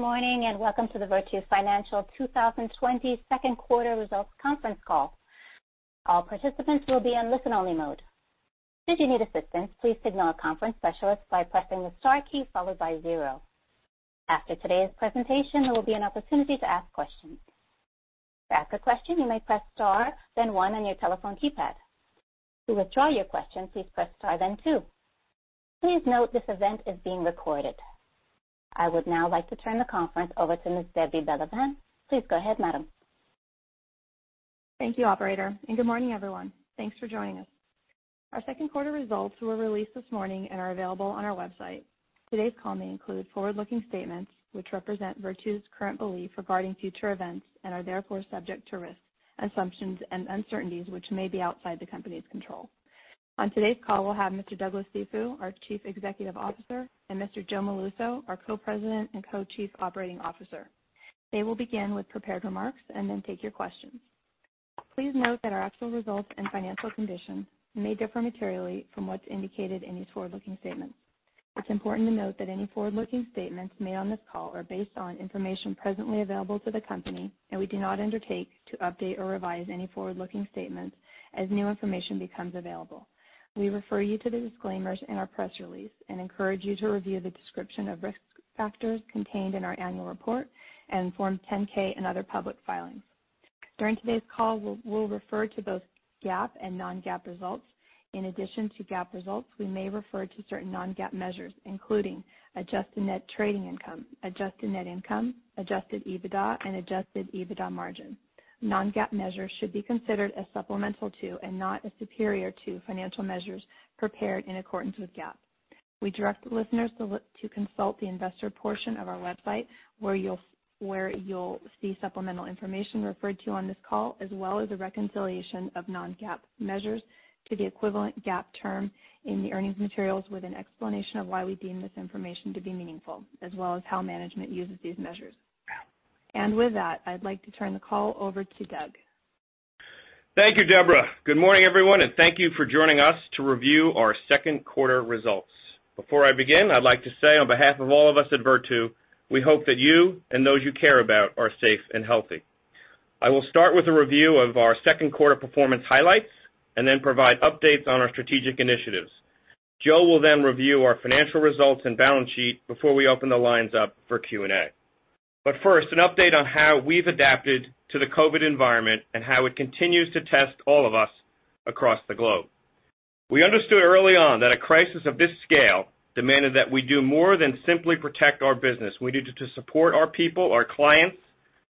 Good morning and welcome to the Virtu Financial 2020 second quarter results conference call. All participants will be on listen-only mode. Should you need assistance, please signal a conference specialist by pressing the star key followed by zero. After today's presentation, there will be an opportunity to ask questions. To ask a question, you may press star, then one on your telephone keypad. To withdraw your question, please press star, then two. Please note this event is being recorded. I would now like to turn the conference over to Ms. Deborah Belevan. Please go ahead, madam. Thank you, Operator. And good morning, everyone. Thanks for joining us. Our second quarter results were released this morning and are available on our website. Today's call may include forward-looking statements, which represent Virtu's current belief regarding future events and are therefore subject to risk, assumptions, and uncertainties which may be outside the company's control. On today's call, we'll have Mr. Douglas Cifu, our Chief Executive Officer, and Mr. Joe Molluso, our Co-President and Co-Chief Operating Officer. They will begin with prepared remarks and then take your questions. Please note that our actual results and financial condition may differ materially from what's indicated in these forward-looking statements. It's important to note that any forward-looking statements made on this call are based on information presently available to the company, and we do not undertake to update or revise any forward-looking statements as new information becomes available. We refer you to the disclaimers in our press release and encourage you to review the description of risk factors contained in our annual report and Form 10-K and other public filings. During today's call, we'll refer to both GAAP and non-GAAP results. In addition to GAAP results, we may refer to certain non-GAAP measures, including adjusted net trading income, adjusted net income, adjusted EBITDA, and adjusted EBITDA margin. Non-GAAP measures should be considered as supplemental to and not as superior to financial measures prepared in accordance with GAAP. We direct listeners to consult the investor portion of our website where you'll see supplemental information referred to on this call, as well as a reconciliation of non-GAAP measures to the equivalent GAAP term in the earnings materials with an explanation of why we deem this information to be meaningful, as well as how management uses these measures. And with that, I'd like to turn the call over to Doug. Thank you, Deborah. Good morning, everyone, and thank you for joining us to review our second quarter results. Before I begin, I'd like to say on behalf of all of us at Virtu, we hope that you and those you care about are safe and healthy. I will start with a review of our second quarter performance highlights and then provide updates on our strategic initiatives. Joe will then review our financial results and balance sheet before we open the lines up for Q&A. But first, an update on how we've adapted to the COVID environment and how it continues to test all of us across the globe. We understood early on that a crisis of this scale demanded that we do more than simply protect our business. We needed to support our people, our clients,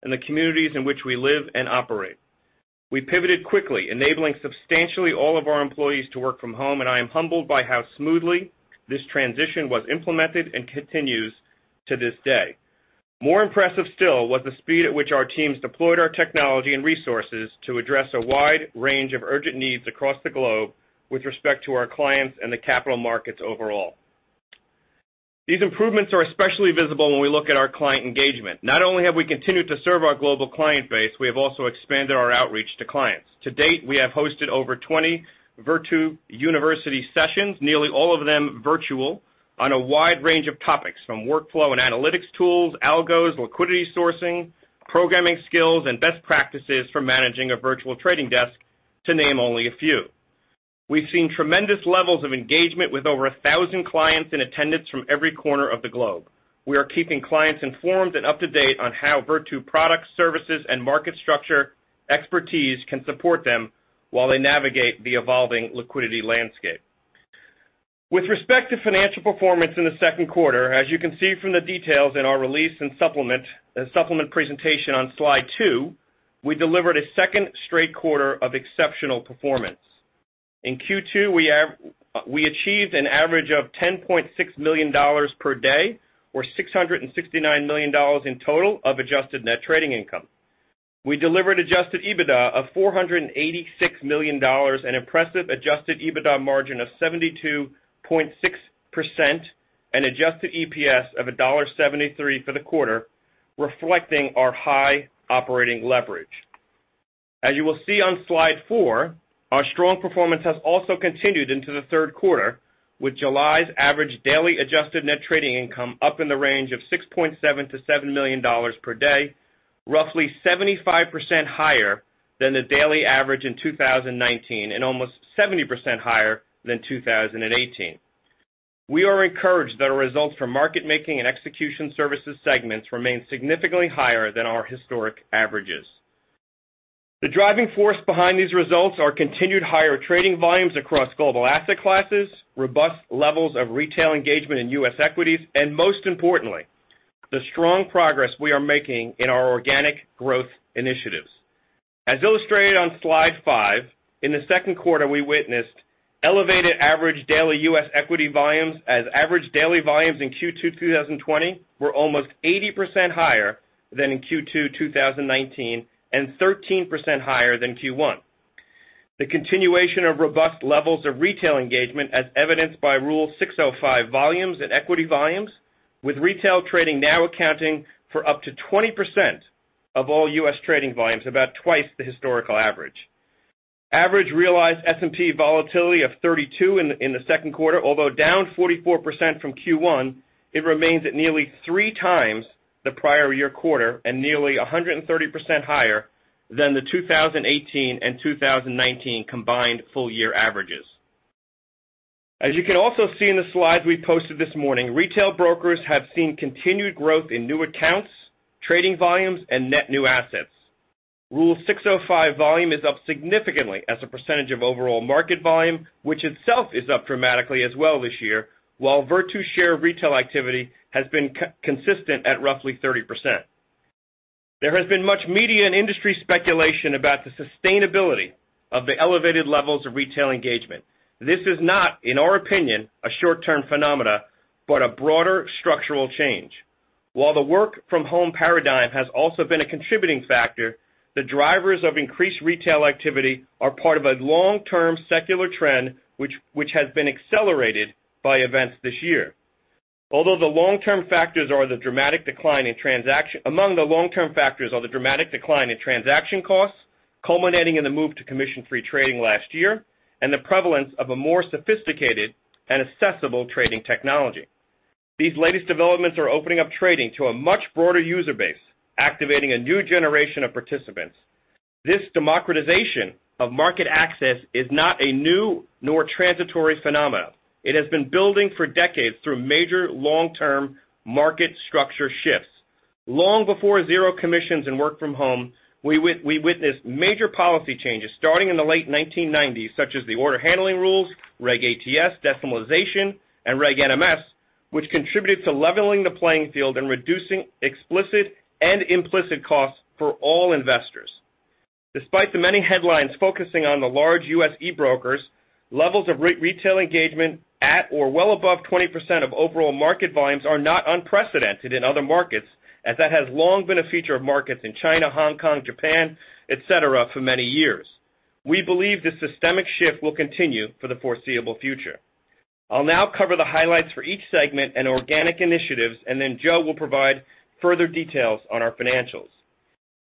and the communities in which we live and operate. We pivoted quickly, enabling substantially all of our employees to work from home, and I am humbled by how smoothly this transition was implemented and continues to this day. More impressive still was the speed at which our teams deployed our technology and resources to address a wide range of urgent needs across the globe with respect to our clients and the capital markets overall. These improvements are especially visible when we look at our client engagement. Not only have we continued to serve our global client base, we have also expanded our outreach to clients. To date, we have hosted over 20 Virtu University sessions, nearly all of them virtual, on a wide range of topics from workflow and analytics tools, algos, liquidity sourcing, programming skills, and best practices for managing a virtual trading desk to name only a few. We've seen tremendous levels of engagement with over 1,000 clients in attendance from every corner of the globe. We are keeping clients informed and up to date on how Virtu products, services, and market structure expertise can support them while they navigate the evolving liquidity landscape. With respect to financial performance in the second quarter, as you can see from the details in our release and supplement presentation on slide two, we delivered a second straight quarter of exceptional performance. In Q2, we achieved an average of $10.6 million per day or $669 million in total of adjusted net trading income. We delivered adjusted EBITDA of $486 million and an impressive adjusted EBITDA margin of 72.6% and an adjusted EPS of $1.73 for the quarter, reflecting our high operating leverage. As you will see on slide four, our strong performance has also continued into the third quarter, with July's average daily adjusted net trading income up in the range of $6.7-$7 million per day, roughly 75% higher than the daily average in 2019 and almost 70% higher than 2018. We are encouraged that our results for market-making and execution services segments remain significantly higher than our historic averages. The driving force behind these results are continued higher trading volumes across global asset classes, robust levels of retail engagement in U.S. equities, and most importantly, the strong progress we are making in our organic growth initiatives. As illustrated on slide five, in the second quarter, we witnessed elevated average daily U.S. equity volumes as average daily volumes in Q2 2020 were almost 80% higher than in Q2 2019 and 13% higher than Q1. The continuation of robust levels of retail engagement, as evidenced by Rule 605 volumes and equity volumes, with retail trading now accounting for up to 20% of all U.S. trading volumes, about twice the historical average. Average realized S&P volatility of 32 in the second quarter, although down 44% from Q1, it remains at nearly three times the prior year quarter and nearly 130% higher than the 2018 and 2019 combined full-year averages. As you can also see in the slides we posted this morning, retail brokers have seen continued growth in new accounts, trading volumes, and net new assets. Rule 605 volume is up significantly as a percentage of overall market volume, which itself is up dramatically as well this year, while Virtu's share of retail activity has been consistent at roughly 30%. There has been much media and industry speculation about the sustainability of the elevated levels of retail engagement. This is not, in our opinion, a short-term phenomenon, but a broader structural change. While the work-from-home paradigm has also been a contributing factor, the drivers of increased retail activity are part of a long-term secular trend which has been accelerated by events this year. Although the long-term factors are the dramatic decline in transaction costs culminating in the move to commission-free trading last year and the prevalence of a more sophisticated and accessible trading technology. These latest developments are opening up trading to a much broader user base, activating a new generation of participants. This democratization of market access is not a new nor transitory phenomenon. It has been building for decades through major long-term market structure shifts. Long before zero commissions and work from home, we witnessed major policy changes starting in the late 1990s, such as the order handling rules, Reg ATS, decimalization, and Reg NMS, which contributed to leveling the playing field and reducing explicit and implicit costs for all investors. Despite the many headlines focusing on the large U.S. e-brokers, levels of retail engagement at or well above 20% of overall market volumes are not unprecedented in other markets, as that has long been a feature of markets in China, Hong Kong, Japan, etc., for many years. We believe this systemic shift will continue for the foreseeable future. I'll now cover the highlights for each segment and organic initiatives, and then Joe will provide further details on our financials.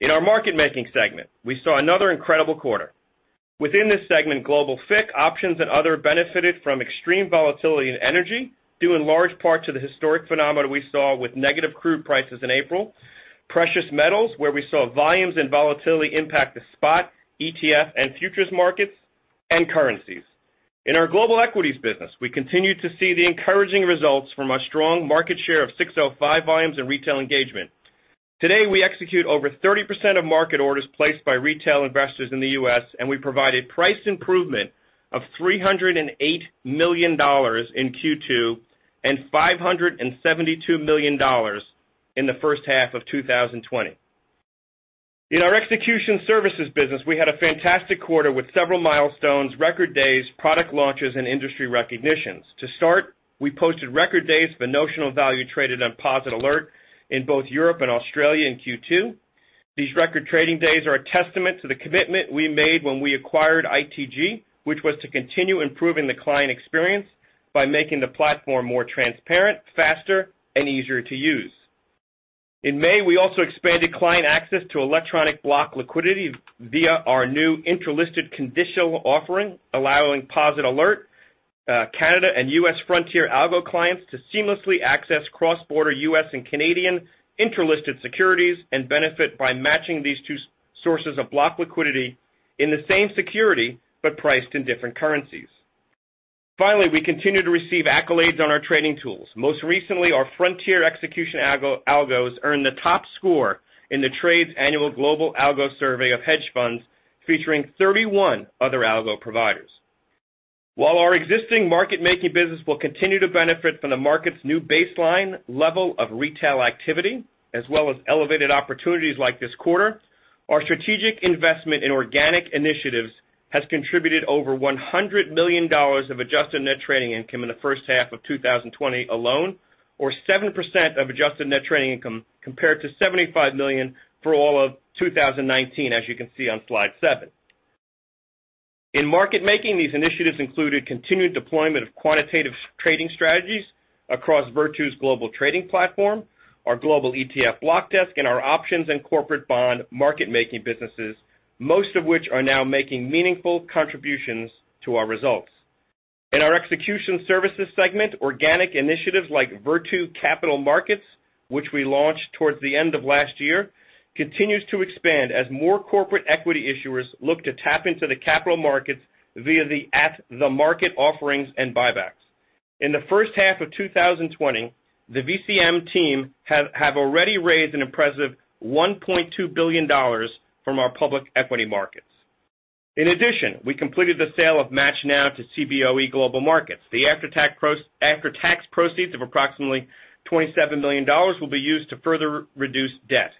In our market-making segment, we saw another incredible quarter. Within this segment, global FICC options and other benefited from extreme volatility in energy, due in large part to the historic phenomena we saw with negative crude prices in April, precious metals, where we saw volumes and volatility impact the spot, ETF, and futures markets, and currencies. In our global equities business, we continue to see the encouraging results from our strong market share of 605 volumes and retail engagement. Today, we execute over 30% of market orders placed by retail investors in the U.S., and we provided price improvement of $308 million in Q2 and $572 million in the first half of 2020. In our execution services business, we had a fantastic quarter with several milestones, record days, product launches, and industry recognitions. To start, we posted record days for notional value traded on POSIT Alert in both Europe and Australia in Q2. These record trading days are a testament to the commitment we made when we acquired ITG, which was to continue improving the client experience by making the platform more transparent, faster, and easier to use. In May, we also expanded client access to electronic block liquidity via our new interlisted conditional offering, allowing POSIT Alert, Canada, and U.S. Frontier algo clients to seamlessly access cross-border U.S. and Canadian interlisted securities and benefit by matching these two sources of block liquidity in the same security but priced in different currencies. Finally, we continue to receive accolades on our trading tools. Most recently, our Frontier execution algos earned the top score in The TRADE's annual global algo survey of hedge funds, featuring 31 other algo providers. While our existing market-making business will continue to benefit from the market's new baseline level of retail activity, as well as elevated opportunities like this quarter, our strategic investment in organic initiatives has contributed over $100 million of adjusted net trading income in the first half of 2020 alone, or 7% of adjusted net trading income compared to $75 million for all of 2019, as you can see on slide seven. In market-making, these initiatives included continued deployment of quantitative trading strategies across Virtu's global trading platform, our global ETF block desk, and our options and corporate bond market-making businesses, most of which are now making meaningful contributions to our results. In our execution services segment, organic initiatives like Virtu Capital Markets, which we launched toward the end of last year, continue to expand as more corporate equity issuers look to tap into the capital markets via the at-the-market offerings and buybacks. In the first half of 2020, the VCM team have already raised an impressive $1.2 billion from our public equity markets. In addition, we completed the sale of MATCHNow to Cboe Global Markets. The after-tax proceeds of approximately $27 million will be used to further reduce debt.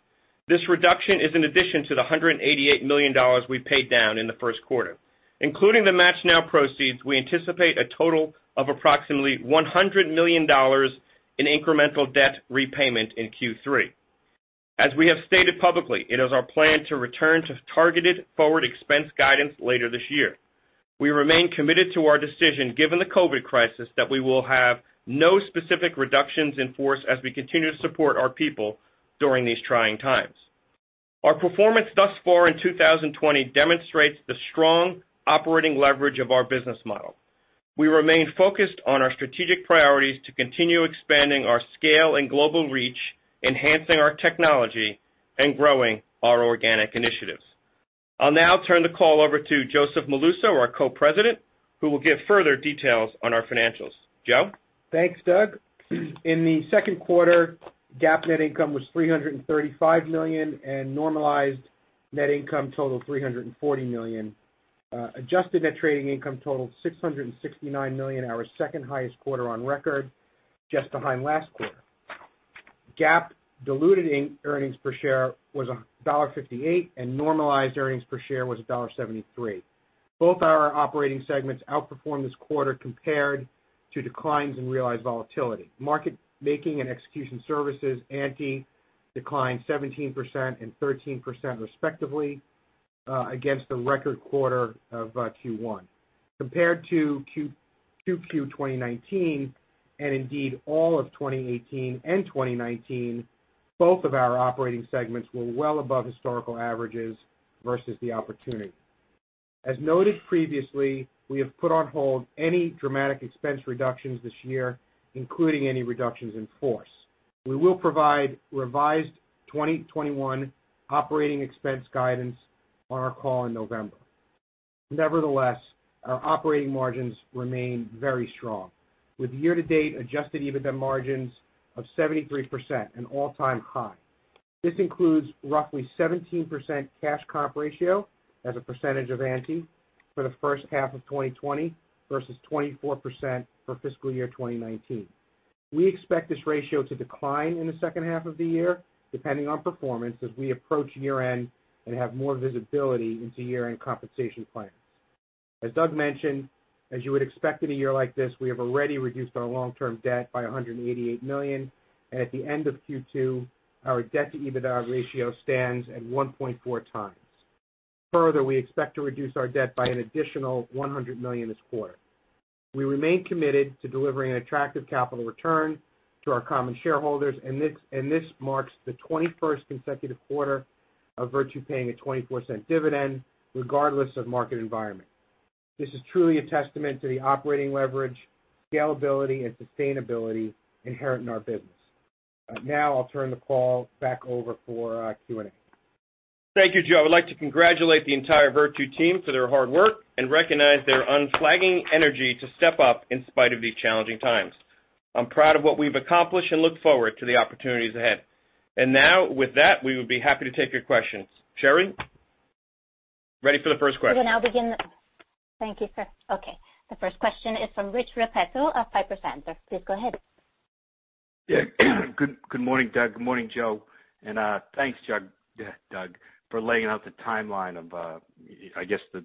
This reduction is in addition to the $188 million we paid down in the first quarter. Including the MATCHNow proceeds, we anticipate a total of approximately $100 million in incremental debt repayment in Q3. As we have stated publicly, it is our plan to return to targeted forward expense guidance later this year. We remain committed to our decision, given the COVID crisis, that we will have no specific reductions in force as we continue to support our people during these trying times. Our performance thus far in 2020 demonstrates the strong operating leverage of our business model. We remain focused on our strategic priorities to continue expanding our scale and global reach, enhancing our technology, and growing our organic initiatives. I'll now turn the call over to Joseph Molluso, our Co-President, who will give further details on our financials. Joe? Thanks, Doug. In the second quarter, GAAP net income was $335 million and normalized net income totaled $340 million. Adjusted net trading income totaled $669 million, our second highest quarter on record, just behind last quarter. GAAP diluted earnings per share was $1.58, and normalized earnings per share was $1.73. Both our operating segments outperformed this quarter compared to declines in realized volatility. Market-making and execution services revenue declined 17% and 13% respectively against the record quarter of Q1. Compared to Q2 2019 and indeed all of 2018 and 2019, both of our operating segments were well above historical averages versus the opportunity. As noted previously, we have put on hold any dramatic expense reductions this year, including any reductions in force. We will provide revised 2021 operating expense guidance on our call in November. Nevertheless, our operating margins remain very strong, with year-to-date Adjusted EBITDA margins of 73%, an all-time high. This includes roughly 17% cash comp ratio as a percentage of revenue for the first half of 2020 versus 24% for fiscal year 2019. We expect this ratio to decline in the second half of the year, depending on performance as we approach year-end and have more visibility into year-end compensation plans. As Doug mentioned, as you would expect in a year like this, we have already reduced our long-term debt by $188 million, and at the end of Q2, our debt-to-EBITDA ratio stands at 1.4 times. Further, we expect to reduce our debt by an additional $100 million this quarter. We remain committed to delivering an attractive capital return to our common shareholders, and this marks the 21st consecutive quarter of Virtu paying a $0.24 dividend, regardless of market environment. This is truly a testament to the operating leverage, scalability, and sustainability inherent in our business. Now I'll turn the call back over for Q&A. Thank you, Joe. I'd like to congratulate the entire Virtu team for their hard work and recognize their unflagging energy to step up in spite of these challenging times. I'm proud of what we've accomplished and look forward to the opportunities ahead. And now, with that, we would be happy to take your questions. Sharon? Ready for the first question. Thank you, sir. Okay. The first question is from Rich Repetto of Piper Sandler. Please go ahead. Yeah. Good morning, Doug. Good morning, Joe. And thanks, Doug, for laying out the timeline of, I guess, the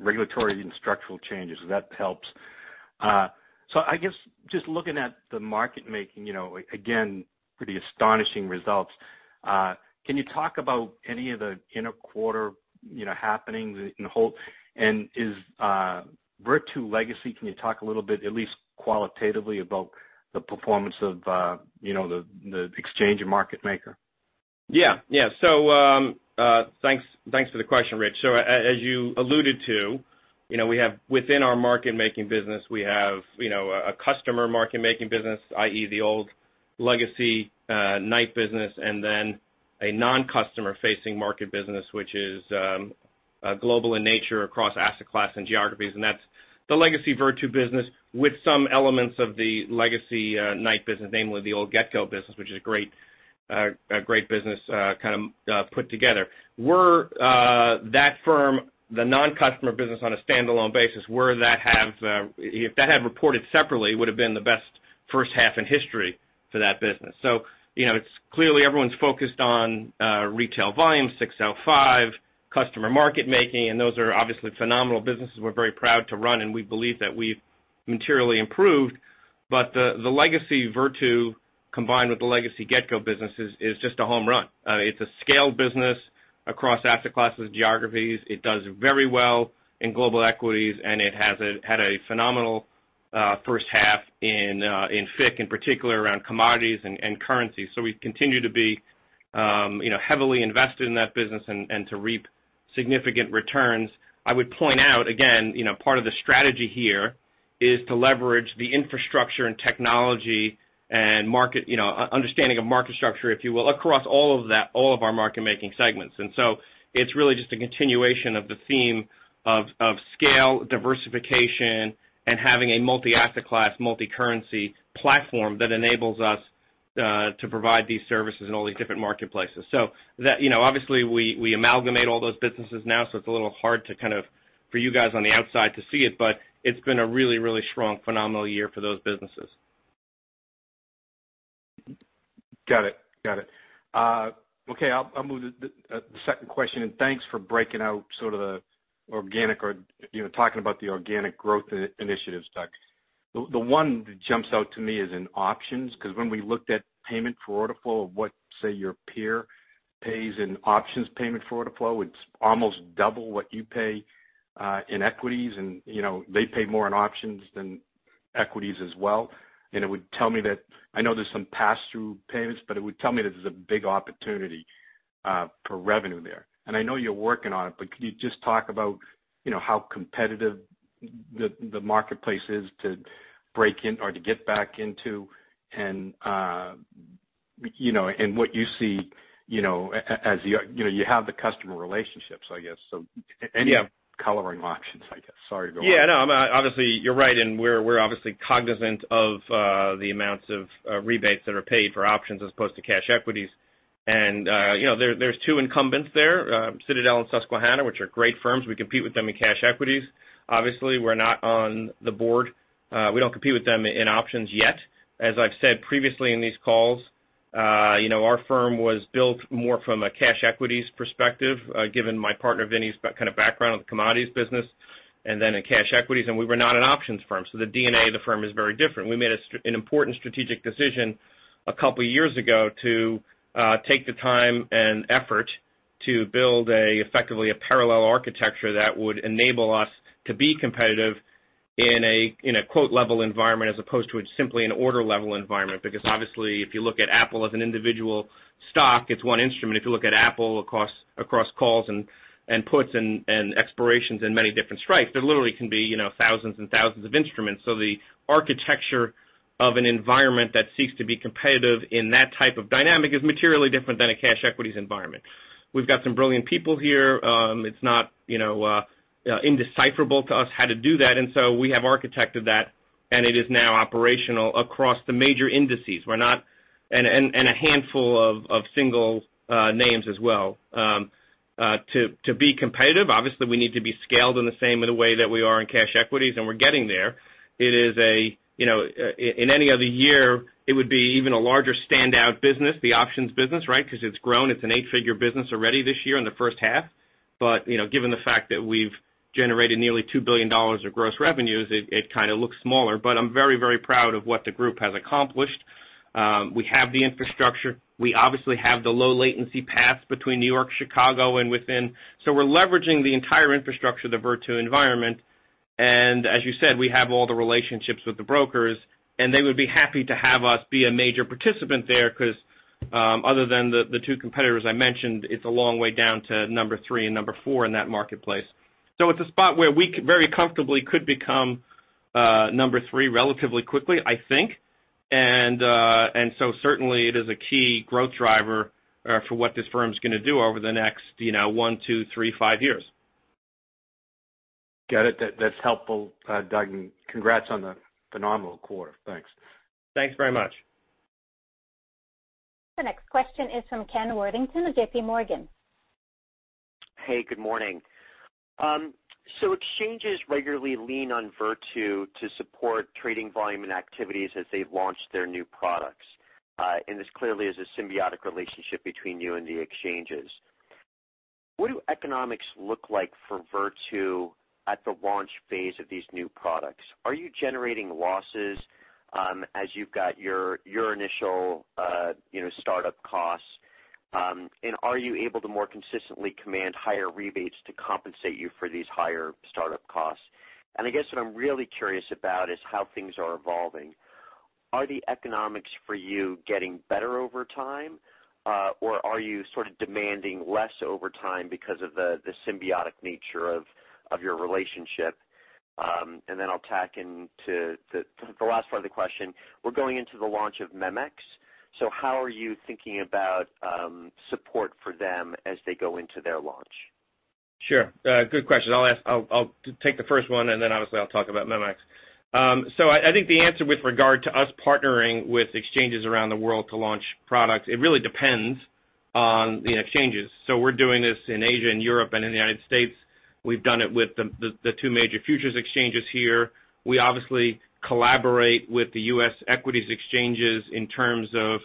regulatory and structural changes. That helps. So I guess just looking at the market-making, again, pretty astonishing results. Can you talk about any of the interquarter happenings and is Virtu legacy, can you talk a little bit, at least qualitatively, about the performance of the exchange and market maker? Yeah. Yeah. So thanks for the question, Rich. As you alluded to, within our market-making business, we have a customer market-making business, i.e., the old legacy Knight business, and then a non-customer-facing market business, which is global in nature across asset class and geographies. That's the legacy Virtu business with some elements of the legacy Knight business, namely the old Getco business, which is a great business kind of put together. That firm, the non-customer business on a standalone basis, where that, if that had reported separately, it would have been the best first half in history for that business. It's clearly everyone's focused on retail volume, 605, customer market-making, and those are obviously phenomenal businesses we're very proud to run, and we believe that we've materially improved. The legacy Virtu combined with the legacy Getco business is just a home run. It's a scaled business across asset classes, geographies. It does very well in global equities, and it has had a phenomenal first half in FICC, in particular around commodities and currencies. So we continue to be heavily invested in that business and to reap significant returns. I would point out, again, part of the strategy here is to leverage the infrastructure and technology and understanding of market structure, if you will, across all of our market-making segments. And so it's really just a continuation of the theme of scale, diversification, and having a multi-asset class, multi-currency platform that enables us to provide these services in all these different marketplaces. So obviously, we amalgamate all those businesses now, so it's a little hard to kind of for you guys on the outside to see it, but it's been a really, really strong, phenomenal year for those businesses. Got it. Got it. Okay. I'll move to the second question, and thanks for breaking out sort of the organic or talking about the organic growth initiatives, Doug. The one that jumps out to me is in options because when we looked at payment for order flow of what, say, your peer pays in options payment for order flow, it's almost double what you pay in equities, and they pay more in options than equities as well, and it would tell me that I know there's some pass-through payments, but it would tell me that there's a big opportunity for revenue there, and I know you're working on it, but could you just talk about how competitive the marketplace is to break in or to get back into and what you see as you have the customer relationships, I guess, so any color on options, I guess. Sorry to go off. Yeah. No. Obviously, you're right, and we're obviously cognizant of the amounts of rebates that are paid for options as opposed to cash equities, and there's two incumbents there, Citadel and Susquehanna, which are great firms. We compete with them in cash equities. Obviously, we're not on the board. We don't compete with them in options yet. As I've said previously in these calls, our firm was built more from a cash equities perspective, given my partner Vinny's kind of background in the commodities business and then in cash equities, and we were not an options firm, so the DNA of the firm is very different. We made an important strategic decision a couple of years ago to take the time and effort to build effectively a parallel architecture that would enable us to be competitive in a quote-level environment as opposed to simply an order-level environment. Because obviously, if you look at Apple as an individual stock, it's one instrument. If you look at Apple across calls and puts and expirations and many different strikes, there literally can be thousands and thousands of instruments. So the architecture of an environment that seeks to be competitive in that type of dynamic is materially different than a cash equities environment. We've got some brilliant people here. It's not indecipherable to us how to do that. And so we have architected that, and it is now operational across the major indices. And a handful of single names as well. To be competitive, obviously, we need to be scaled in the same way that we are in cash equities, and we're getting there. It is. In any other year, it would be even a larger standout business, the options business, right? Because it's grown. It's an eight-figure business already this year in the first half. But given the fact that we've generated nearly $2 billion of gross revenues, it kind of looks smaller. But I'm very, very proud of what the group has accomplished. We have the infrastructure. We obviously have the low-latency paths between New York, Chicago, and within. So we're leveraging the entire infrastructure, the Virtu environment. And as you said, we have all the relationships with the brokers, and they would be happy to have us be a major participant there because other than the two competitors I mentioned, it's a long way down to number three and number four in that marketplace. So it's a spot where we very comfortably could become number three relatively quickly, I think. And so certainly, it is a key growth driver for what this firm's going to do over the next one, two, three, five years. Got it. That's helpful, Doug. And congrats on the phenomenal quarter. Thanks. Thanks very much. The next question is from Ken Worthington of J.P. Morgan. Hey. Good morning. So exchanges regularly lean on Virtu to support trading volume and activities as they launch their new products. And this clearly is a symbiotic relationship between you and the exchanges. What do economics look like for Virtu at the launch phase of these new products? Are you generating losses as you've got your initial startup costs? And are you able to more consistently command higher rebates to compensate you for these higher startup costs? And I guess what I'm really curious about is how things are evolving. Are the economics for you getting better over time, or are you sort of demanding less over time because of the symbiotic nature of your relationship? And then I'll tack on to the last part of the question. We're going into the launch of MEMX. So how are you thinking about support for them as they go into their launch? Sure. Good question. I'll take the first one, and then obviously, I'll talk about MEMX. So I think the answer with regard to us partnering with exchanges around the world to launch products, it really depends on the exchanges. So we're doing this in Asia and Europe and in the United States. We've done it with the two major futures exchanges here. We obviously collaborate with the U.S. equities exchanges in terms of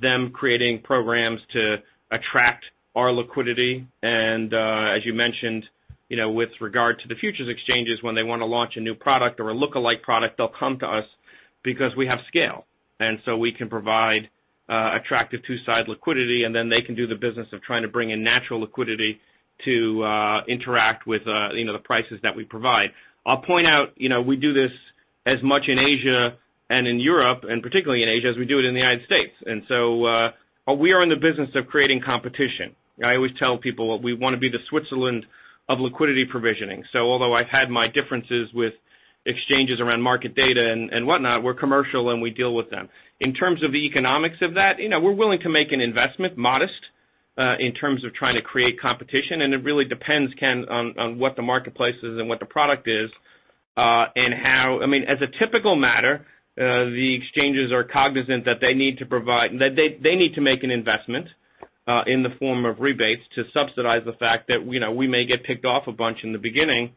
them creating programs to attract our liquidity. And as you mentioned, with regard to the futures exchanges, when they want to launch a new product or a lookalike product, they'll come to us because we have scale. And so we can provide attractive two-sided liquidity, and then they can do the business of trying to bring in natural liquidity to interact with the prices that we provide. I'll point out we do this as much in Asia and in Europe, and particularly in Asia, as we do it in the United States. And so we are in the business of creating competition. I always tell people we want to be the Switzerland of liquidity provisioning. So although I've had my differences with exchanges around market data and whatnot, we're commercial, and we deal with them. In terms of the economics of that, we're willing to make an investment, modest, in terms of trying to create competition. It really depends, Ken, on what the marketplace is and what the product is and how I mean, as a typical matter, the exchanges are cognizant that they need to provide. They need to make an investment in the form of rebates to subsidize the fact that we may get picked off a bunch in the beginning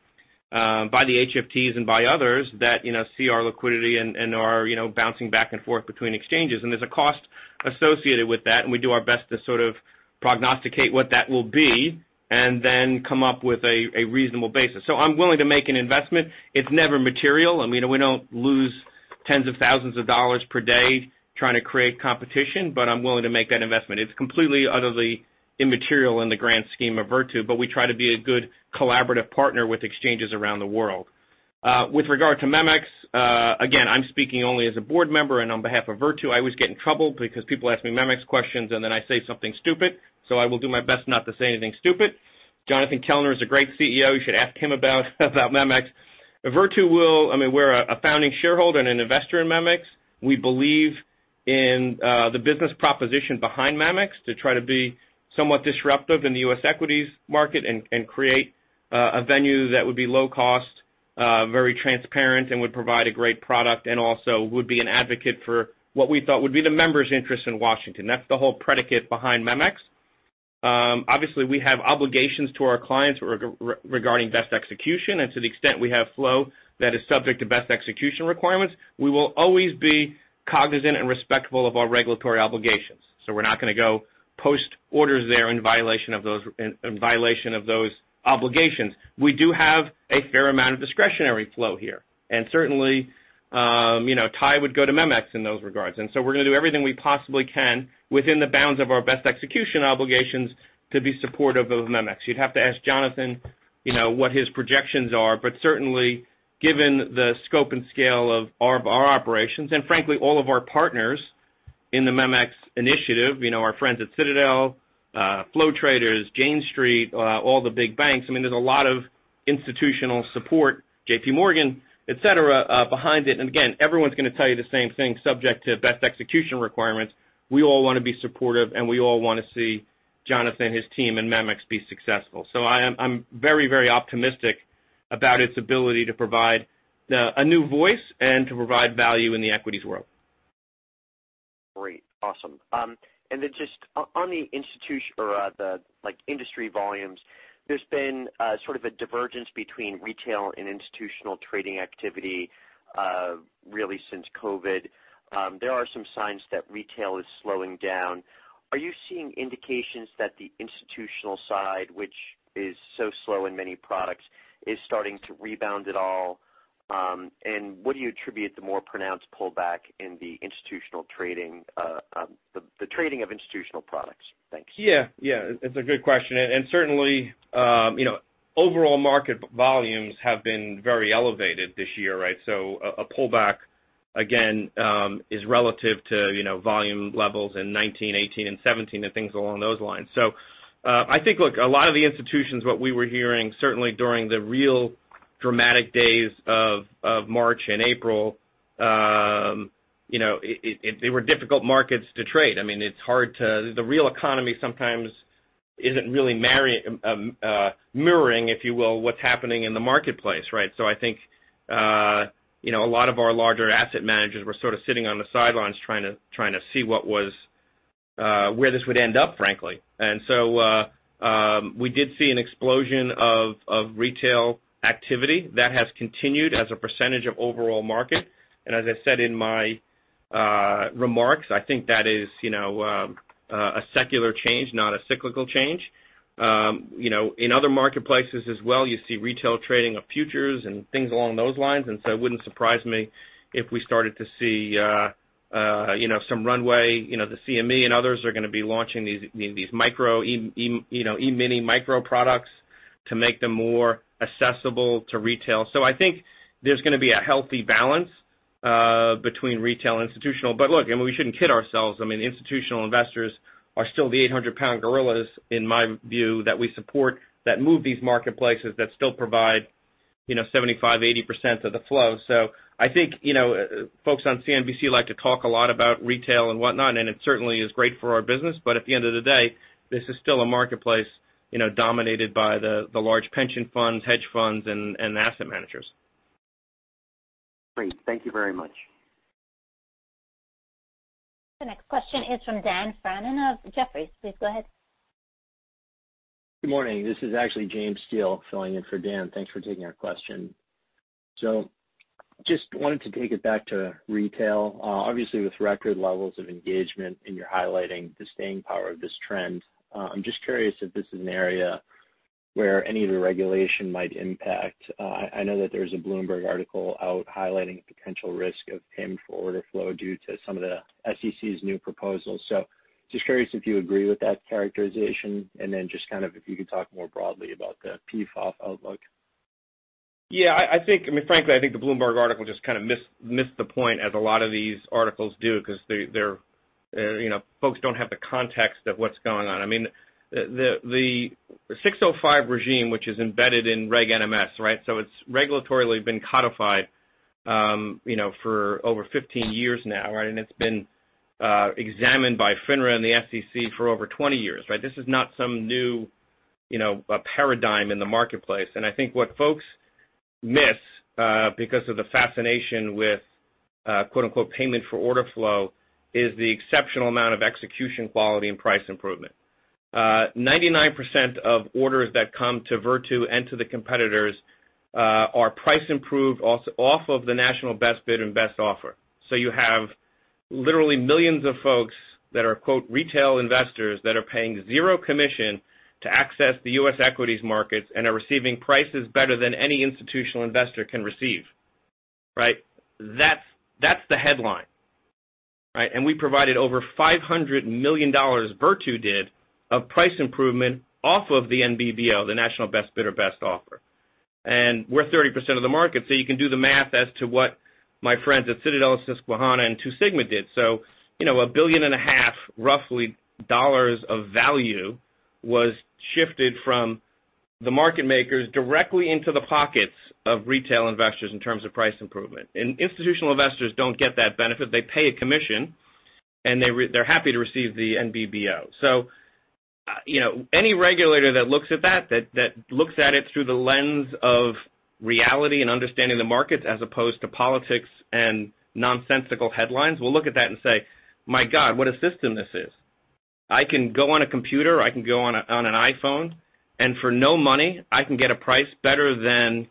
by the HFTs and by others that see our liquidity and are bouncing back and forth between exchanges. There's a cost associated with that, and we do our best to sort of prognosticate what that will be and then come up with a reasonable basis. I'm willing to make an investment. It's never material. I mean, we don't lose tens of thousands of dollars per day trying to create competition, but I'm willing to make that investment. It's completely utterly immaterial in the grand scheme of Virtu, but we try to be a good collaborative partner with exchanges around the world. With regard to MEMX, again, I'm speaking only as a board member, and on behalf of Virtu, I always get in trouble because people ask me MEMX questions, and then I say something stupid. So I will do my best not to say anything stupid. Jonathan Kellner is a great CEO. You should ask him about MEMX. Virtu will I mean, we're a founding shareholder and an investor in MEMX. We believe in the business proposition behind MEMX to try to be somewhat disruptive in the U.S. equities market and create a venue that would be low-cost, very transparent, and would provide a great product and also would be an advocate for what we thought would be the members' interest in Washington. That's the whole predicate behind MEMX. Obviously, we have obligations to our clients regarding best execution. And to the extent we have flow that is subject to best execution requirements, we will always be cognizant and respectful of our regulatory obligations. So we're not going to go post orders there in violation of those obligations. We do have a fair amount of discretionary flow here. And certainly, tie would go to MEMX in those regards. And so we're going to do everything we possibly can within the bounds of our best execution obligations to be supportive of MEMX. You'd have to ask Jonathan what his projections are, but certainly, given the scope and scale of our operations and frankly, all of our partners in the MEMX initiative, our friends at Citadel, Flow Traders, Jane Street, all the big banks, I mean, there's a lot of institutional support, J.P. Morgan, etc., behind it. And again, everyone's going to tell you the same thing, subject to best execution requirements. We all want to be supportive, and we all want to see Jonathan, his team, and MEMX be successful. So I'm very, very optimistic about its ability to provide a new voice and to provide value in the equities world. Great. Awesome. And then just on the institutional or the industry volumes, there's been sort of a divergence between retail and institutional trading activity really since COVID. There are some signs that retail is slowing down. Are you seeing indications that the institutional side, which is so slow in many products, is starting to rebound at all? And what do you attribute to the more pronounced pullback in the institutional trading, the trading of institutional products? Thanks. Yeah. Yeah. It's a good question. And certainly, overall market volumes have been very elevated this year, right? So a pullback, again, is relative to volume levels in 2019, 2018, and 2017, and things along those lines. So I think, look, a lot of the institutions, what we were hearing certainly during the real dramatic days of March and April, they were difficult markets to trade. I mean, it's hard, the real economy sometimes isn't really mirroring, if you will, what's happening in the marketplace, right? So I think a lot of our larger asset managers were sort of sitting on the sidelines trying to see where this would end up, frankly, and so we did see an explosion of retail activity. That has continued as a percentage of overall market, and as I said in my remarks, I think that is a secular change, not a cyclical change. In other marketplaces as well, you see retail trading of futures and things along those lines, and so it wouldn't surprise me if we started to see some runway. The CME and others are going to be launching these Micro E-mini products to make them more accessible to retail, so I think there's going to be a healthy balance between retail and institutional, but look, I mean, we shouldn't kid ourselves. I mean, institutional investors are still the 800-pound gorillas, in my view, that we support that move these marketplaces that still provide 75%-80% of the flow. So I think folks on CNBC like to talk a lot about retail and whatnot, and it certainly is great for our business. But at the end of the day, this is still a marketplace dominated by the large pension funds, hedge funds, and asset managers. Great. Thank you very much. The next question is from Daniel Fannon of Jefferies. Please go ahead. Good morning. This is actually James Steele filling in for Dan. Thanks for taking our question. So just wanted to take it back to retail. Obviously, with record levels of engagement, and you're highlighting the staying power of this trend, I'm just curious if this is an area where any of the regulation might impact. I know that there's a Bloomberg article out highlighting potential risk of payment for order flow due to some of the SEC's new proposals. So just curious if you agree with that characterization. And then just kind of if you could talk more broadly about the PFOF outlook. Yeah. I mean, frankly, I think the Bloomberg article just kind of missed the point, as a lot of these articles do, because folks don't have the context of what's going on. I mean, the 605 regime, which is embedded in Reg NMS, right? So it's regulatorily been codified for over 15 years now, right? And it's been examined by FINRA and the SEC for over 20 years, right? This is not some new paradigm in the marketplace. And I think what folks miss because of the fascination with "payment for order flow" is the exceptional amount of execution quality and price improvement. 99% of orders that come to Virtu and to the competitors are price improved off of the national best bid and best offer. So you have literally millions of folks that are "retail investors" that are paying zero commission to access the U.S. equities markets and are receiving prices better than any institutional investor can receive, right? That's the headline, right? And we provided over $500 million, Virtu did, of price improvement off of the NBBO, the national best bid or best offer. And we're 30% of the market. So you can do the math as to what my friends at Citadel, Susquehanna, and Two Sigma did. So $1.5 billion, roughly, of value was shifted from the market makers directly into the pockets of retail investors in terms of price improvement. And institutional investors don't get that benefit. They pay a commission, and they're happy to receive the NBBO. So any regulator that looks at that, that looks at it through the lens of reality and understanding the markets as opposed to politics and nonsensical headlines, will look at that and say, "My God, what a system this is. I can go on a computer. I can go on an iPhone, and for no money, I can get a price better than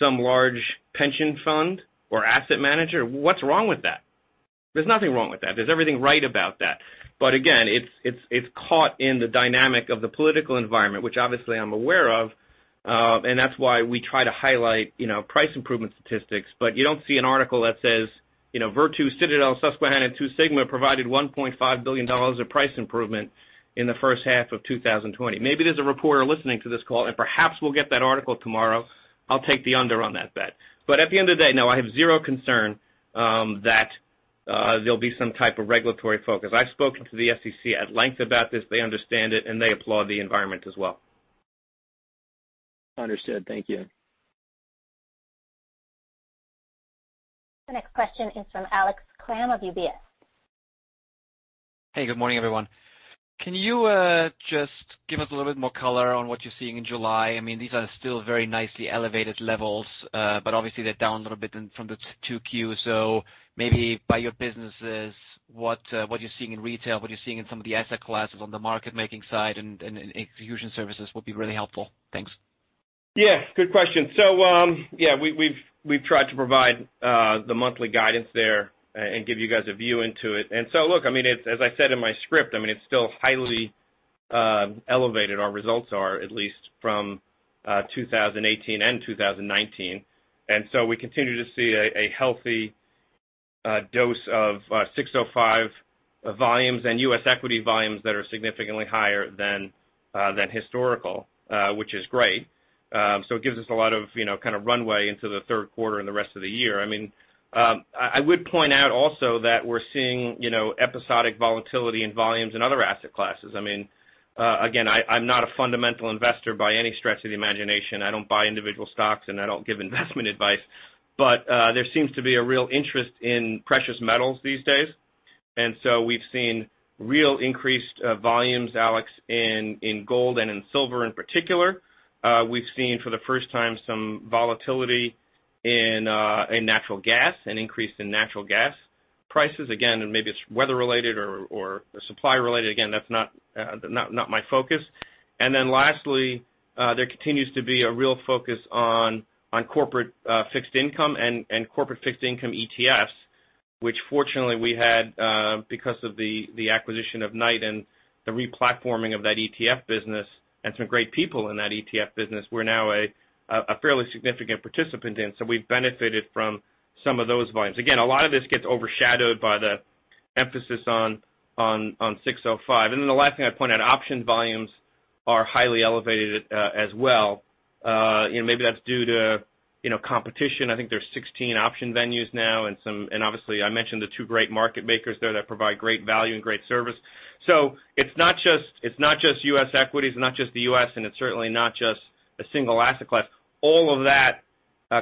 some large pension fund or asset manager. What's wrong with that?" There's nothing wrong with that. There's everything right about that. But again, it's caught in the dynamic of the political environment, which obviously I'm aware of. And that's why we try to highlight price improvement statistics. But you don't see an article that says, "Virtu, Citadel, Jane Street, and Two Sigma provided $1.5 billion of price improvement in the first half of 2020." Maybe there's a reporter listening to this call, and perhaps we'll get that article tomorrow. I'll take the under on that bet. But at the end of the day, no, I have zero concern that there'll be some type of regulatory focus. I've spoken to the SEC at length about this. They understand it, and they applaud the environment as well. Understood. Thank you. The next question is from Alex Kramm of UBS. Hey, good morning, everyone. Can you just give us a little bit more color on what you're seeing in July? I mean, these are still very nicely elevated levels, but obviously, they're down a little bit from the 2Q. So maybe by your businesses, what you're seeing in retail, what you're seeing in some of the asset classes on the market-making side and execution services would be really helpful. Thanks. Yeah. Good question. So yeah, we've tried to provide the monthly guidance there and give you guys a view into it. And so look, I mean, as I said in my script, I mean, it's still highly elevated. Our results are, at least, from 2018 and 2019. And so we continue to see a healthy dose of 605 volumes and U.S. equity volumes that are significantly higher than historical, which is great. So it gives us a lot of kind of runway into the third quarter and the rest of the year. I mean, I would point out also that we're seeing episodic volatility in volumes and other asset classes. I mean, again, I'm not a fundamental investor by any stretch of the imagination. I don't buy individual stocks, and I don't give investment advice. But there seems to be a real interest in precious metals these days. And so we've seen real increased volumes, Alex, in gold and in silver in particular. We've seen for the first time some volatility in natural gas, an increase in natural gas prices. Again, maybe it's weather-related or supply-related. Again, that's not my focus. And then lastly, there continues to be a real focus on corporate fixed income and corporate fixed income ETFs, which fortunately we had because of the acquisition of Knight and the replatforming of that ETF business and some great people in that ETF business. We're now a fairly significant participant in. So we've benefited from some of those volumes. Again, a lot of this gets overshadowed by the emphasis on 605. And then the last thing I'd point out, option volumes are highly elevated as well. Maybe that's due to competition. I think there's 16 option venues now. And obviously, I mentioned the two great market makers there that provide great value and great service. So it's not just U.S. equities. It's not just the U.S., and it's certainly not just a single asset class. All of that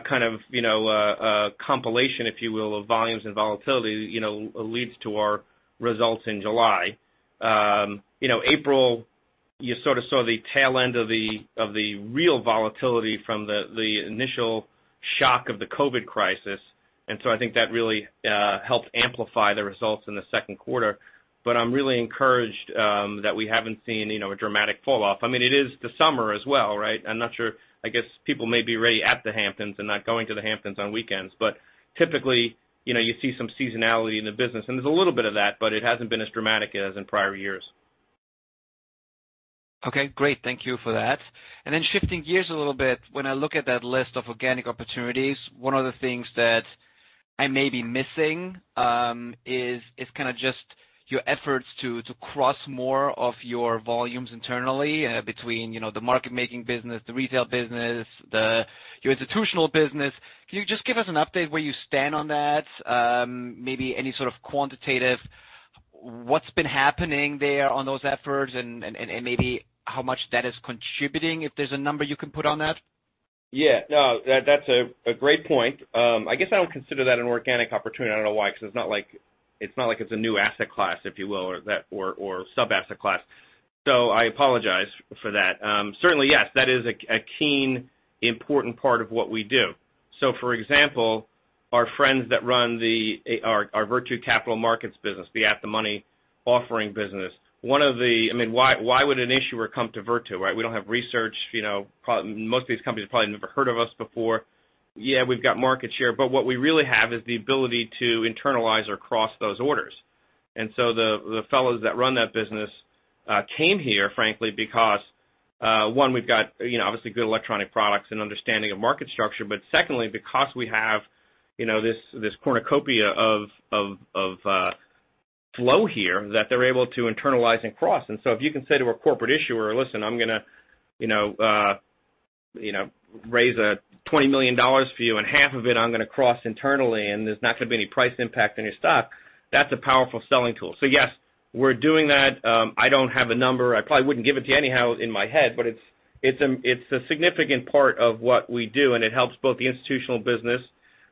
kind of compilation, if you will, of volumes and volatility leads to our results in July. April, you sort of saw the tail end of the real volatility from the initial shock of the COVID crisis. And so I think that really helped amplify the results in the second quarter. But I'm really encouraged that we haven't seen a dramatic falloff. I mean, it is the summer as well, right? I'm not sure. I guess people may be ready at the Hamptons and not going to the Hamptons on weekends. But typically, you see some seasonality in the business. And there's a little bit of that, but it hasn't been as dramatic as in prior years. Okay. Great. Thank you for that. And then shifting gears a little bit, when I look at that list of organic opportunities, one of the things that I may be missing is kind of just your efforts to cross more of your volumes internally between the market-making business, the retail business, your institutional business. Can you just give us an update where you stand on that? Maybe any sort of quantitative, what's been happening there on those efforts and maybe how much that is contributing if there's a number you can put on that? Yeah. No, that's a great point. I guess I don't consider that an organic opportunity. I don't know why. Because it's not like it's a new asset class, if you will, or sub-asset class. So I apologize for that. Certainly, yes, that is a keen, important part of what we do. So for example, our friends that run our Virtu Capital Markets business, the at-the-market offering business, one of the—I mean, why would an issuer come to Virtu, right? We don't have research. Most of these companies have probably never heard of us before. Yeah, we've got market share. But what we really have is the ability to internalize or cross those orders. And so the fellows that run that business came here, frankly, because, one, we've got obviously good electronic products and understanding of market structure. But secondly, because we have this cornucopia of flow here that they're able to internalize and cross. So if you can say to a corporate issuer, "Listen, I'm going to raise $20 million for you, and $10 million I'm going to cross internally, and there's not going to be any price impact on your stock," that's a powerful selling tool. So yes, we're doing that. I don't have a number. I probably wouldn't give it to you anyhow in my head, but it's a significant part of what we do, and it helps both the institutional business,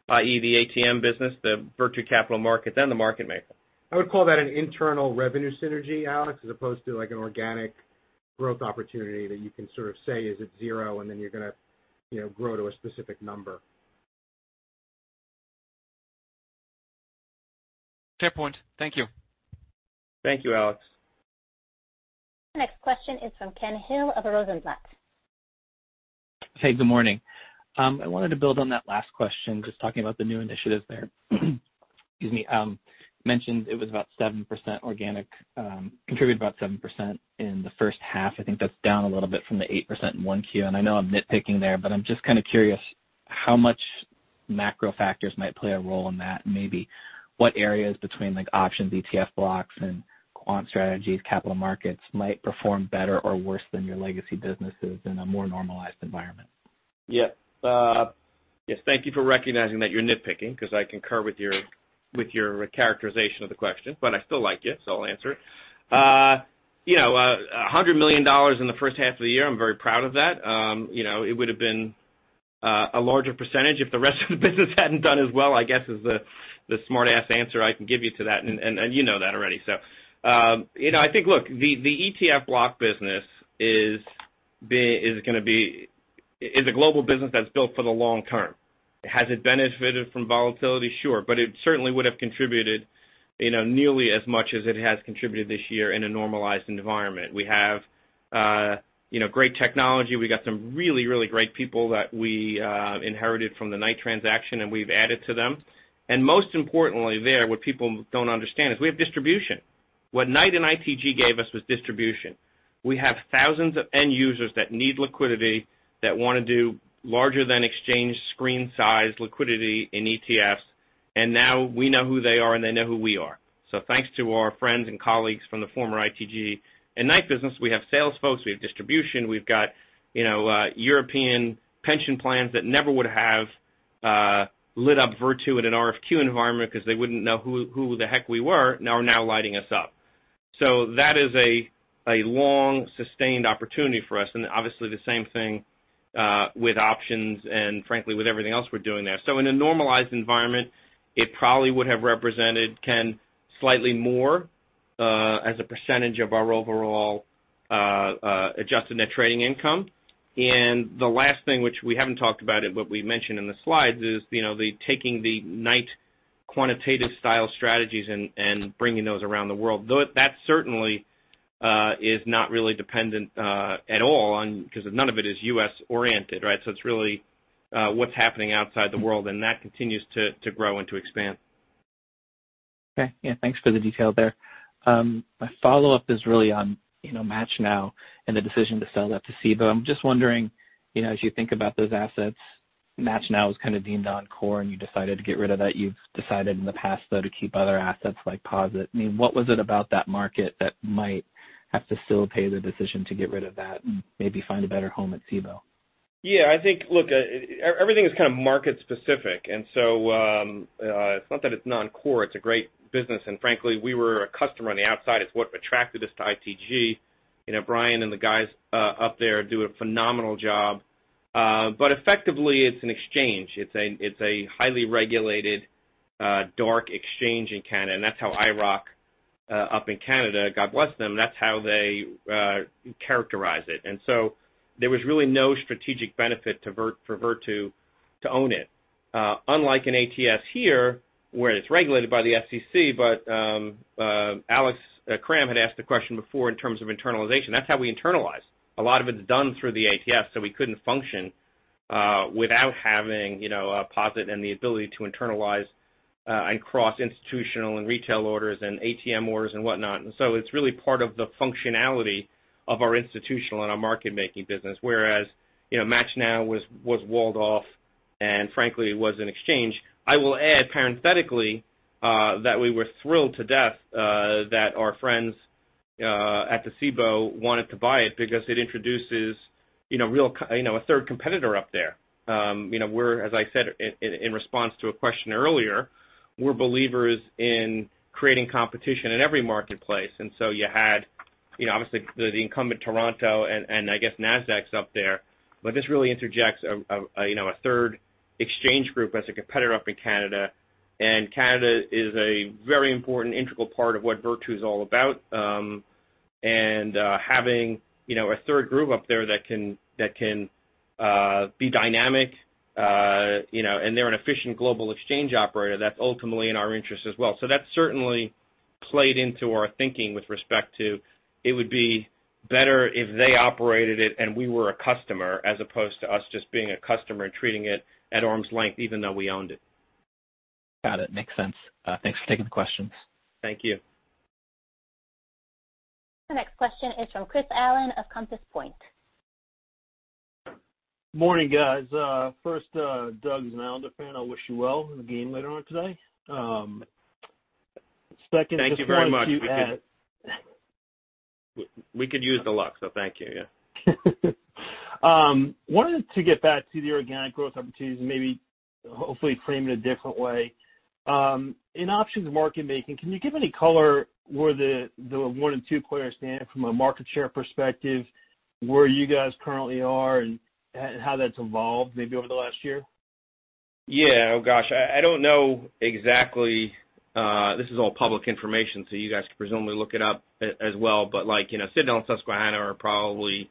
i.e., the ATM business, the Virtu Capital Markets, and the market maker. I would call that an internal revenue synergy, Alex, as opposed to an organic growth opportunity that you can sort of say is at zero, and then you're going to grow to a specific number. Fair point. Thank you. Thank you, Alex. The next question is from Ken Hill of Rosenblatt. Hey, good morning. I wanted to build on that last question, just talking about the new initiatives there. Excuse me. You mentioned it was about 7% organic, contributed about 7% in the first half. I think that's down a little bit from the 8% in 1Q. And I know I'm nitpicking there, but I'm just kind of curious how much macro factors might play a role in that, and maybe what areas between options, ETF blocks, and quant strategies, capital markets might perform better or worse than your legacy businesses in a more normalized environment. Yeah. Yes. Thank you for recognizing that you're nitpicking because I concur with your characterization of the question. But I still like it, so I'll answer it. $100 million in the first half of the year, I'm very proud of that. It would have been a larger percentage if the rest of the business hadn't done as well, I guess, is the smart-ass answer I can give you to that, and you know that already, so I think, look, the ETF block business is going to be a global business that's built for the long term. Has it benefited from volatility? Sure, but it certainly would have contributed nearly as much as it has contributed this year in a normalized environment. We have great technology. We got some really, really great people that we inherited from the Knight transaction, and we've added to them, and most importantly there, what people don't understand is we have distribution. What Knight and ITG gave us was distribution. We have thousands of end users that need liquidity, that want to do larger-than-exchange screen-sized liquidity in ETFs. And now we know who they are, and they know who we are. So thanks to our friends and colleagues from the former ITG and Knight business, we have sales folks, we have distribution, we've got European pension plans that never would have lit up Virtu in an RFQ environment because they wouldn't know who the heck we were, are now lighting us up. So that is a long, sustained opportunity for us. And obviously, the same thing with options and, frankly, with everything else we're doing there. So in a normalized environment, it probably would have represented slightly more as a percentage of our overall adjusted net trading income. And the last thing, which we haven't talked about, but we mentioned in the slides, is taking the Knight quantitative-style strategies and bringing those around the world. That certainly is not really dependent at all on because none of it is U.S.-oriented, right? So it's really what's happening outside the U.S., and that continues to grow and to expand. Okay. Yeah. Thanks for the detail there. My follow-up is really on MATCHNow and the decision to sell that to Cboe. I'm just wondering, as you think about those assets, MATCHNow was kind of deemed non-core, and you decided to get rid of that. You've decided in the past, though, to keep other assets like POSIT. I mean, what was it about that market that might have facilitated the decision to get rid of that and maybe find a better home at Cboe? Yeah. I think, look, everything is kind of market-specific. And so it's not that it's non-core. It's a great business. And frankly, we were a customer from the outside. It's what attracted us to ITG. Brian and the guys up there do a phenomenal job. But effectively, it's an exchange. It's a highly regulated, dark exchange in Canada. And that's how IIROC up in Canada, God bless them, that's how they characterize it. And so there was really no strategic benefit for Virtu to own it. Unlike an ATS here, where it's regulated by the SEC, but Alex Kramm had asked the question before in terms of internalization. That's how we internalize. A lot of it's done through the ATS. So we couldn't function without having POSIT and the ability to internalize and cross institutional and retail orders and ATM orders and whatnot. And so it's really part of the functionality of our institutional and our market-making business. Whereas MATCHNow was walled off and, frankly, was an exchange. I will add, parenthetically, that we were thrilled to death that our friends at the Cboe wanted to buy it because it introduces a third competitor up there. We're, as I said, in response to a question earlier, we're believers in creating competition in every marketplace. And so you had, obviously, the incumbent Toronto and, I guess, Nasdaq's up there. But this really injects a third exchange group as a competitor up in Canada. And Canada is a very important integral part of what Virtu is all about. And having a third group up there that can be dynamic and they're an efficient global exchange operator, that's ultimately in our interest as well. So that's certainly played into our thinking with respect to it would be better if they operated it and we were a customer as opposed to us just being a customer and treating it at arm's length even though we owned it. Got it. Makes sense. Thanks for taking the questions. Thank you. The next question is from Chris Allen of Compass Point. Morning, guys. First, Doug is an Allen fan. I wish you well in the game later on today. Second, thank you very much. We could use the luck. So thank you. Yeah. Wanted to get back to the organic growth opportunities and maybe hopefully frame it a different way. In options market making, can you give any color where the one and two players stand from a market share perspective, where you guys currently are and how that's evolved maybe over the last year? Yeah. Oh, gosh. I don't know exactly. This is all public information, so you guys can presumably look it up as well. But Citadel and Susquehanna are probably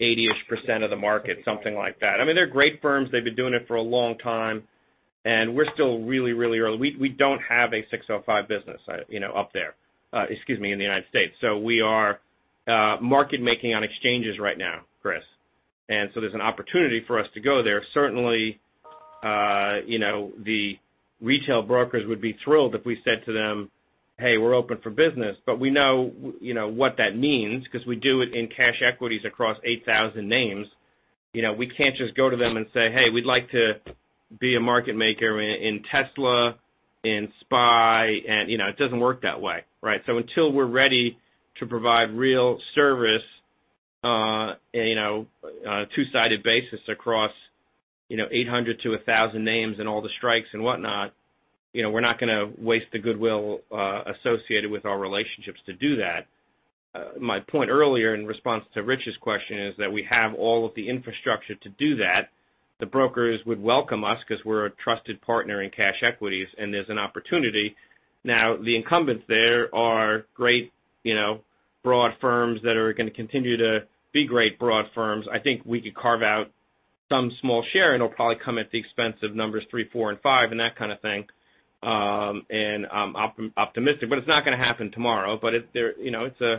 80-ish% of the market, something like that. I mean, they're great firms. They've been doing it for a long time. And we're still really, really early. We don't have a 605 business up there, excuse me, in the United States. So we are market-making on exchanges right now, Chris. And so there's an opportunity for us to go there. Certainly, the retail brokers would be thrilled if we said to them, "Hey, we're open for business." But we know what that means because we do it in cash equities across 8,000 names. We can't just go to them and say, "Hey, we'd like to be a market maker in Tesla, in SPY." And it doesn't work that way, right? Until we're ready to provide real service on a two-sided basis across 800-1,000 names and all the strikes and whatnot, we're not going to waste the goodwill associated with our relationships to do that. My point earlier in response to Rich's question is that we have all of the infrastructure to do that. The brokers would welcome us because we're a trusted partner in cash equities, and there's an opportunity. Now, the incumbents there are great broad firms that are going to continue to be great broad firms. I think we could carve out some small share, and it'll probably come at the expense of numbers three, four, and five, and that kind of thing. I'm optimistic, but it's not going to happen tomorrow. It's a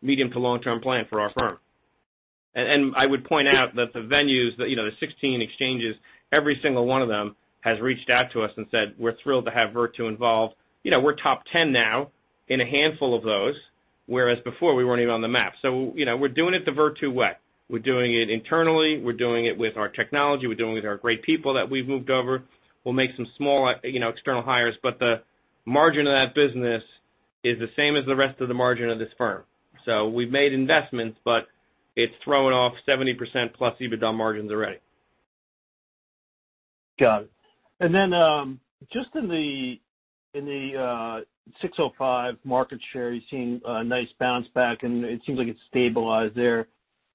medium to long-term plan for our firm. And I would point out that the venues, the 16 exchanges, every single one of them has reached out to us and said, "We're thrilled to have Virtu involved." We're top 10 now in a handful of those, whereas before, we weren't even on the map. So we're doing it the Virtu way. We're doing it internally. We're doing it with our technology. We're doing it with our great people that we've moved over. We'll make some small external hires. But the margin of that business is the same as the rest of the margin of this firm. So we've made investments, but it's throwing off 70% plus EBITDA margins already. Got it. And then just in the 605 market share, you're seeing a nice bounce back, and it seems like it's stabilized there.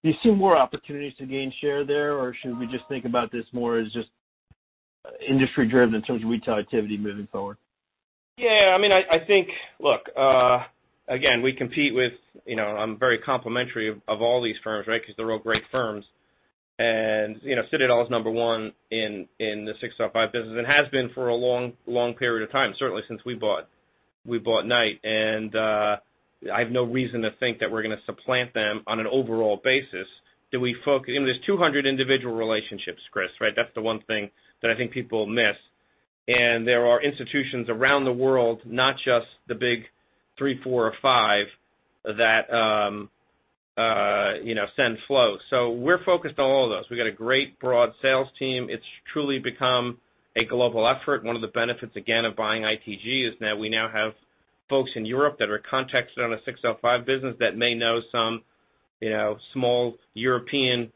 Do you see more opportunities to gain share there, or should we just think about this more as just industry-driven in terms of retail activity moving forward? Yeah. I mean, I think, look, again, we compete with. I'm very complimentary of all these firms, right? Because they're all great firms. And Citadel is number one in the 605 business and has been for a long, long period of time, certainly since we bought Knight. And I have no reason to think that we're going to supplant them on an overall basis. Do we focus? There's 200 individual relationships, Chris, right? That's the one thing that I think people miss. And there are institutions around the world, not just the big three, four, or five that send flow. So we're focused on all of those. We've got a great broad sales team. It's truly become a global effort. One of the benefits, again, of buying ITG is that we now have folks in Europe that are contexted on a 605 business that may know some small European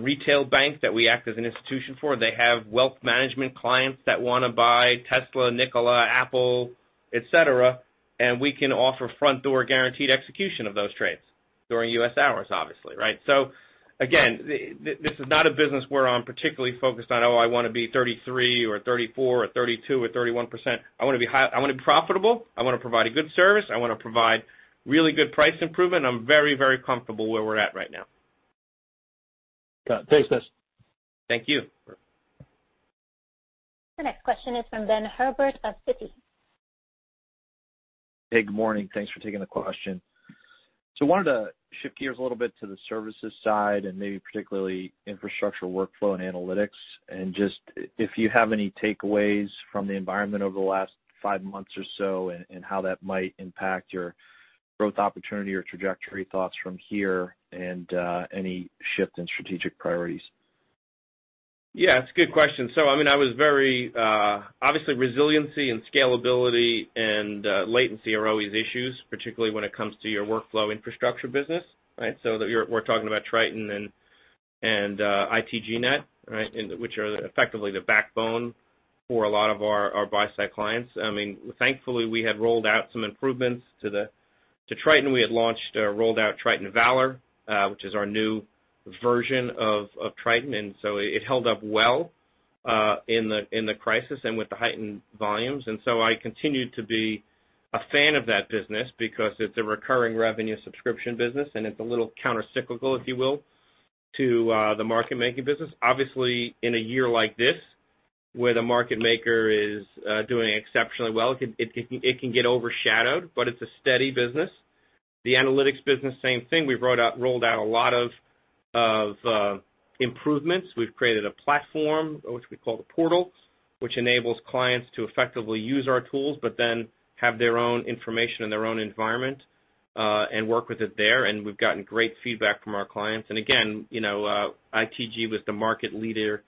retail bank that we act as an institution for. They have wealth management clients that want to buy Tesla, Nikola, Apple, etc. And we can offer front-door guaranteed execution of those trades during U.S. hours, obviously, right? So again, this is not a business we're particularly focused on, "Oh, I want to be 33% or 34% or 32% or 31%. I want to be high. I want to be profitable. I want to provide a good service. I want to provide really good price improvement." I'm very, very comfortable where we're at right now. Got it. Thanks, guys. Thank you. The next question is from Ben Herbert of Citi. Hey, good morning. Thanks for taking the question. So I wanted to shift gears a little bit to the services side and maybe particularly infrastructure workflow and analytics, and just if you have any takeaways from the environment over the last five months or so and how that might impact your growth opportunity or trajectory thoughts from here and any shift in strategic priorities. Yeah. That's a good question. So I mean, I was very obviously resiliency and scalability and latency are always issues, particularly when it comes to your workflow infrastructure business, right? So we're talking about Triton and ITG Net, right, which are effectively the backbone for a lot of our buy-side clients. I mean, thankfully, we had rolled out some improvements to Triton. We had launched or rolled out Triton Valor, which is our new version of Triton, and so it held up well in the crisis and with the heightened volumes. And so I continued to be a fan of that business because it's a recurring revenue subscription business, and it's a little countercyclical, if you will, to the market-making business. Obviously, in a year like this where the market maker is doing exceptionally well, it can get overshadowed, but it's a steady business. The analytics business, same thing. We rolled out a lot of improvements. We've created a platform, which we call the Portal, which enables clients to effectively use our tools but then have their own information in their own environment and work with it there. And we've gotten great feedback from our clients. And again, ITG was the market leader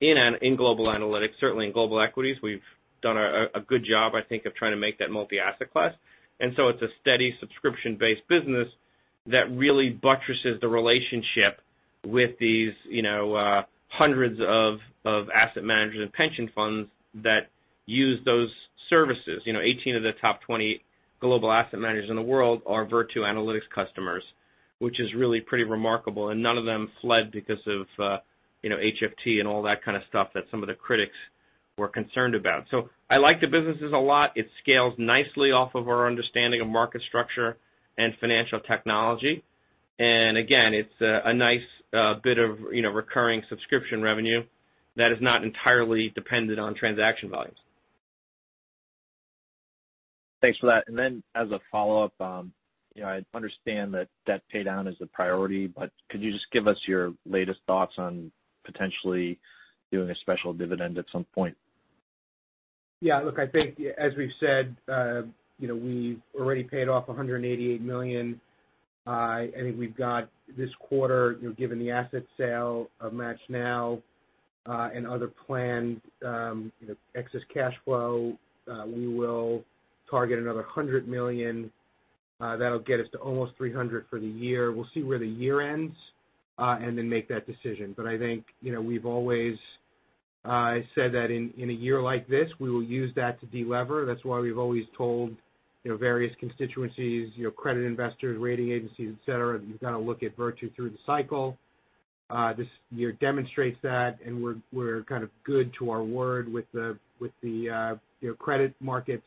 in global analytics, certainly in global equities. We've done a good job, I think, of trying to make that multi-asset class. It's a steady subscription-based business that really buttresses the relationship with these hundreds of asset managers and pension funds that use those services. 18 of the top 20 global asset managers in the world are Virtu analytics customers, which is really pretty remarkable. None of them fled because of HFT and all that kind of stuff that some of the critics were concerned about. I like the businesses a lot. It scales nicely off of our understanding of market structure and financial technology. Again, it's a nice bit of recurring subscription revenue that is not entirely dependent on transaction volumes. Thanks for that. As a follow-up, I understand that debt paydown is the priority, but could you just give us your latest thoughts on potentially doing a special dividend at some point? Yeah. Look, I think, as we've said, we've already paid off $188 million. I think we've got this quarter, given the asset sale of MATCHNow and other planned excess cash flow, we will target another $100 million. That'll get us to almost $300 million for the year. We'll see where the year ends and then make that decision, but I think we've always said that in a year like this, we will use that to deliver. That's why we've always told various constituencies, credit investors, rating agencies, etc., that you've got to look at Virtu through the cycle. This year demonstrates that, and we're kind of good to our word with the credit markets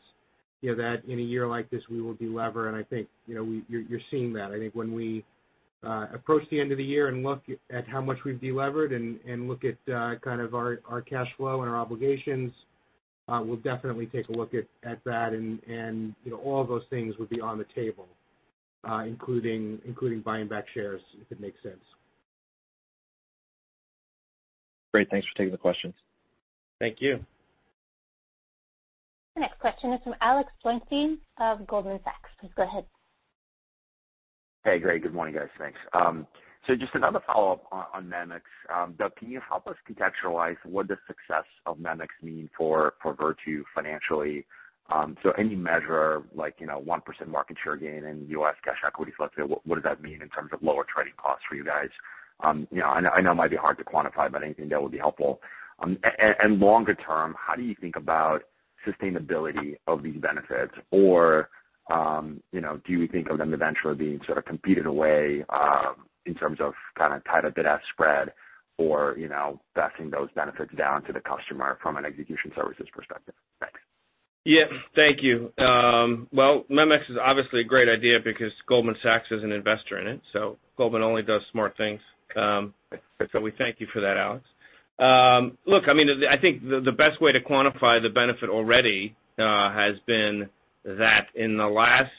that in a year like this, we will deliver, and I think you're seeing that. I think when we approach the end of the year and look at how much we've delivered and look at kind of our cash flow and our obligations, we'll definitely take a look at that. And all of those things would be on the table, including buying back shares, if it makes sense. Great. Thanks for taking the questions. Thank you. The next question is from Alex Blostein of Goldman Sachs. Please go ahead. Hey, great. Good morning, guys. Thanks. So just another follow-up on MEMX. Doug, can you help us contextualize what does success of MEMX mean for Virtu financially? So any measure like 1% market share gain in U.S. cash equity execution, what does that mean in terms of lower trading costs for you guys? I know it might be hard to quantify, but anything that would be helpful. And longer term, how do you think about sustainability of these benefits? Or do you think of them eventually being sort of competed away in terms of kind of tighter bid-ask spread or passing those benefits down to the customer from an execution services perspective? Thanks. Yeah. Thank you. Well, MEMX is obviously a great idea because Goldman Sachs is an investor in it. So Goldman only does smart things. So we thank you for that, Alex. Look, I mean, I think the best way to quantify the benefit already has been that in the last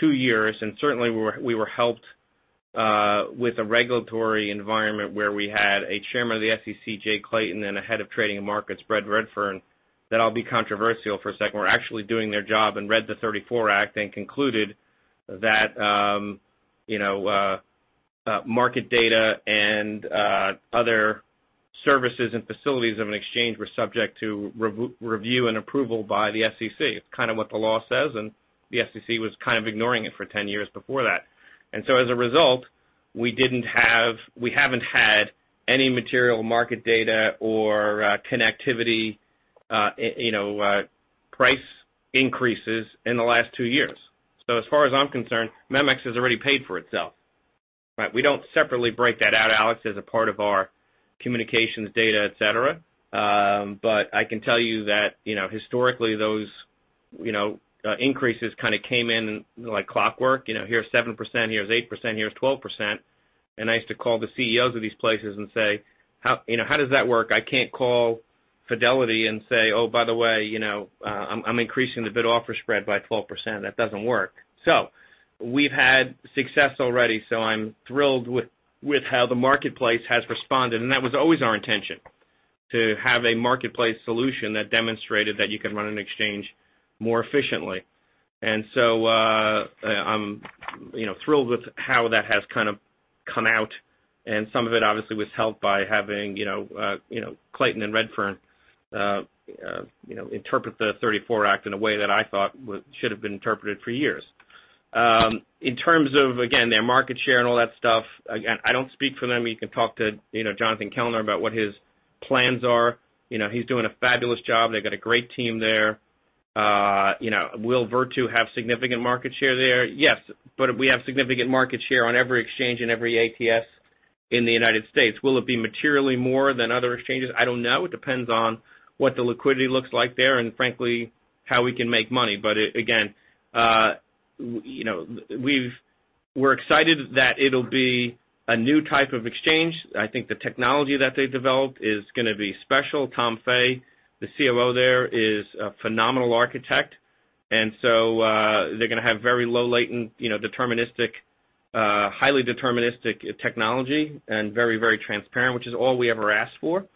two years, and certainly we were helped with a regulatory environment where we had a chairman of the SEC, Jay Clayton, and a head of trading and markets, Brett Redfearn, that I'll be controversial for a second. We're actually doing their job and read the 1934 Act and concluded that market data and other services and facilities of an exchange were subject to review and approval by the SEC. It's kind of what the law says, and the SEC was kind of ignoring it for 10 years before that. And so as a result, we haven't had any material market data or connectivity price increases in the last two years. So as far as I'm concerned, MEMX has already paid for itself. We don't separately break that out, Alex, as a part of our communications, data, etc. But I can tell you that historically, those increases kind of came in like clockwork. Here's 7%. Here's 8%. Here's 12%. And I used to call the CEOs of these places and say, "How does that work? I can't call Fidelity and say, "Oh, by the way, I'm increasing the bid-offer spread by 12%." That doesn't work. So we've had success already. So I'm thrilled with how the marketplace has responded. And that was always our intention, to have a marketplace solution that demonstrated that you can run an exchange more efficiently. And so I'm thrilled with how that has kind of come out. And some of it, obviously, was helped by having Clayton and Redfearn interpret the '34 Act in a way that I thought should have been interpreted for years. In terms of, again, their market share and all that stuff, again, I don't speak for them. You can talk to Jonathan Kellner about what his plans are. He's doing a fabulous job. They've got a great team there. Will Virtu have significant market share there? Yes. But we have significant market share on every exchange and every ATS in the United States. Will it be materially more than other exchanges? I don't know. It depends on what the liquidity looks like there and, frankly, how we can make money. But again, we're excited that it'll be a new type of exchange. I think the technology that they developed is going to be special. Tom Fay, the COO there, is a phenomenal architect. And so they're going to have very low-latency, highly deterministic technology and very, very transparent, which is all we ever asked for.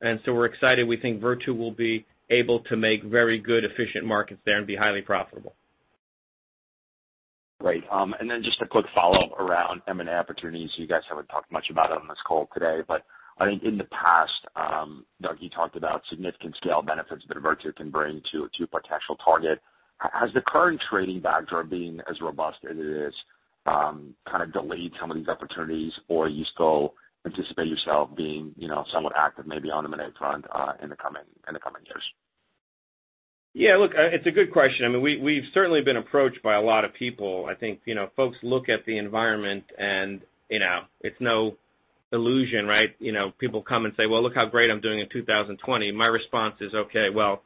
And so we're excited. We think Virtu will be able to make very good, efficient markets there and be highly profitable. Great. And then just a quick follow-up around M&A opportunities. You guys haven't talked much about it on this call today. But I think in the past, Doug, you talked about significant scale benefits that Virtu can bring to a potential target. Has the current trading backdrop, being as robust as it is, kind of delayed some of these opportunities, or do you still anticipate yourself being somewhat active, maybe on the M&A front, in the coming years? Yeah. Look, it's a good question. I mean, we've certainly been approached by a lot of people. I think folks look at the environment, and it's no illusion, right? People come and say, "Well, look how great I'm doing in 2020." My response is, "Okay. Well,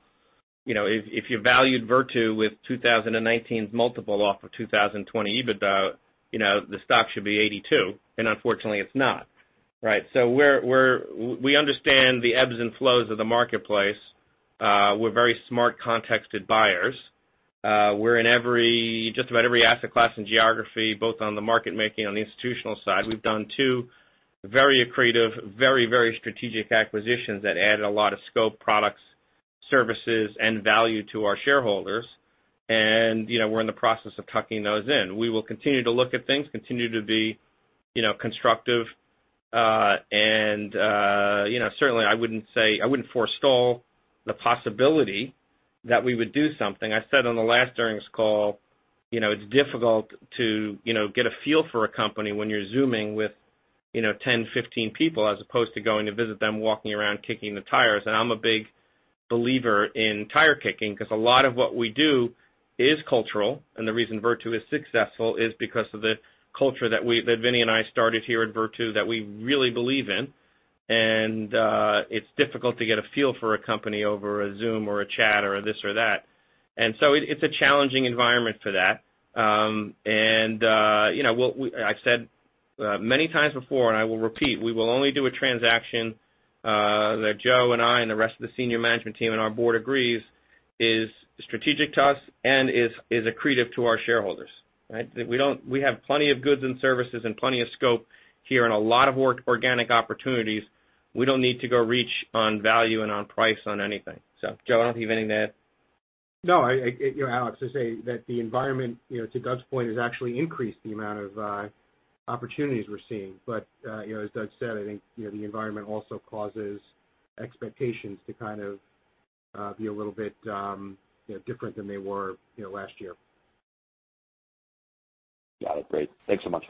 if you valued Virtu with 2019's multiple off of 2020 EBITDA, the stock should be 82." And unfortunately, it's not, right? So we understand the ebbs and flows of the marketplace. We're very smart contexted buyers. We're in just about every asset class and geography, both on the market-making and on the institutional side. We've done two very accretive, very, very strategic acquisitions that added a lot of scope, products, services, and value to our shareholders. And we're in the process of tucking those in. We will continue to look at things, continue to be constructive. And certainly, I wouldn't forestall the possibility that we would do something. I said on the last earnings call, it's difficult to get a feel for a company when you're zooming with 10, 15 people as opposed to going to visit them, walking around, kicking the tires. And I'm a big believer in tire kicking because a lot of what we do is cultural. And the reason Virtu is successful is because of the culture that Vinny and I started here at Virtu that we really believe in. It's difficult to get a feel for a company over a Zoom or a chat or this or that. So it's a challenging environment for that. I've said many times before, and I will repeat, we will only do a transaction that Joe and I and the rest of the senior management team and our board agrees is strategic to us and is accretive to our shareholders, right? We have plenty of goods and services and plenty of scope here and a lot of organic opportunities. We don't need to go reach on value and on price on anything. So, Joe, I don't think you have anything to add. No, Alex, I say that the environment, to Doug's point, has actually increased the amount of opportunities we're seeing. But as Doug said, I think the environment also causes expectations to kind of be a little bit different than they were last year. Got it. Great. Thanks so much.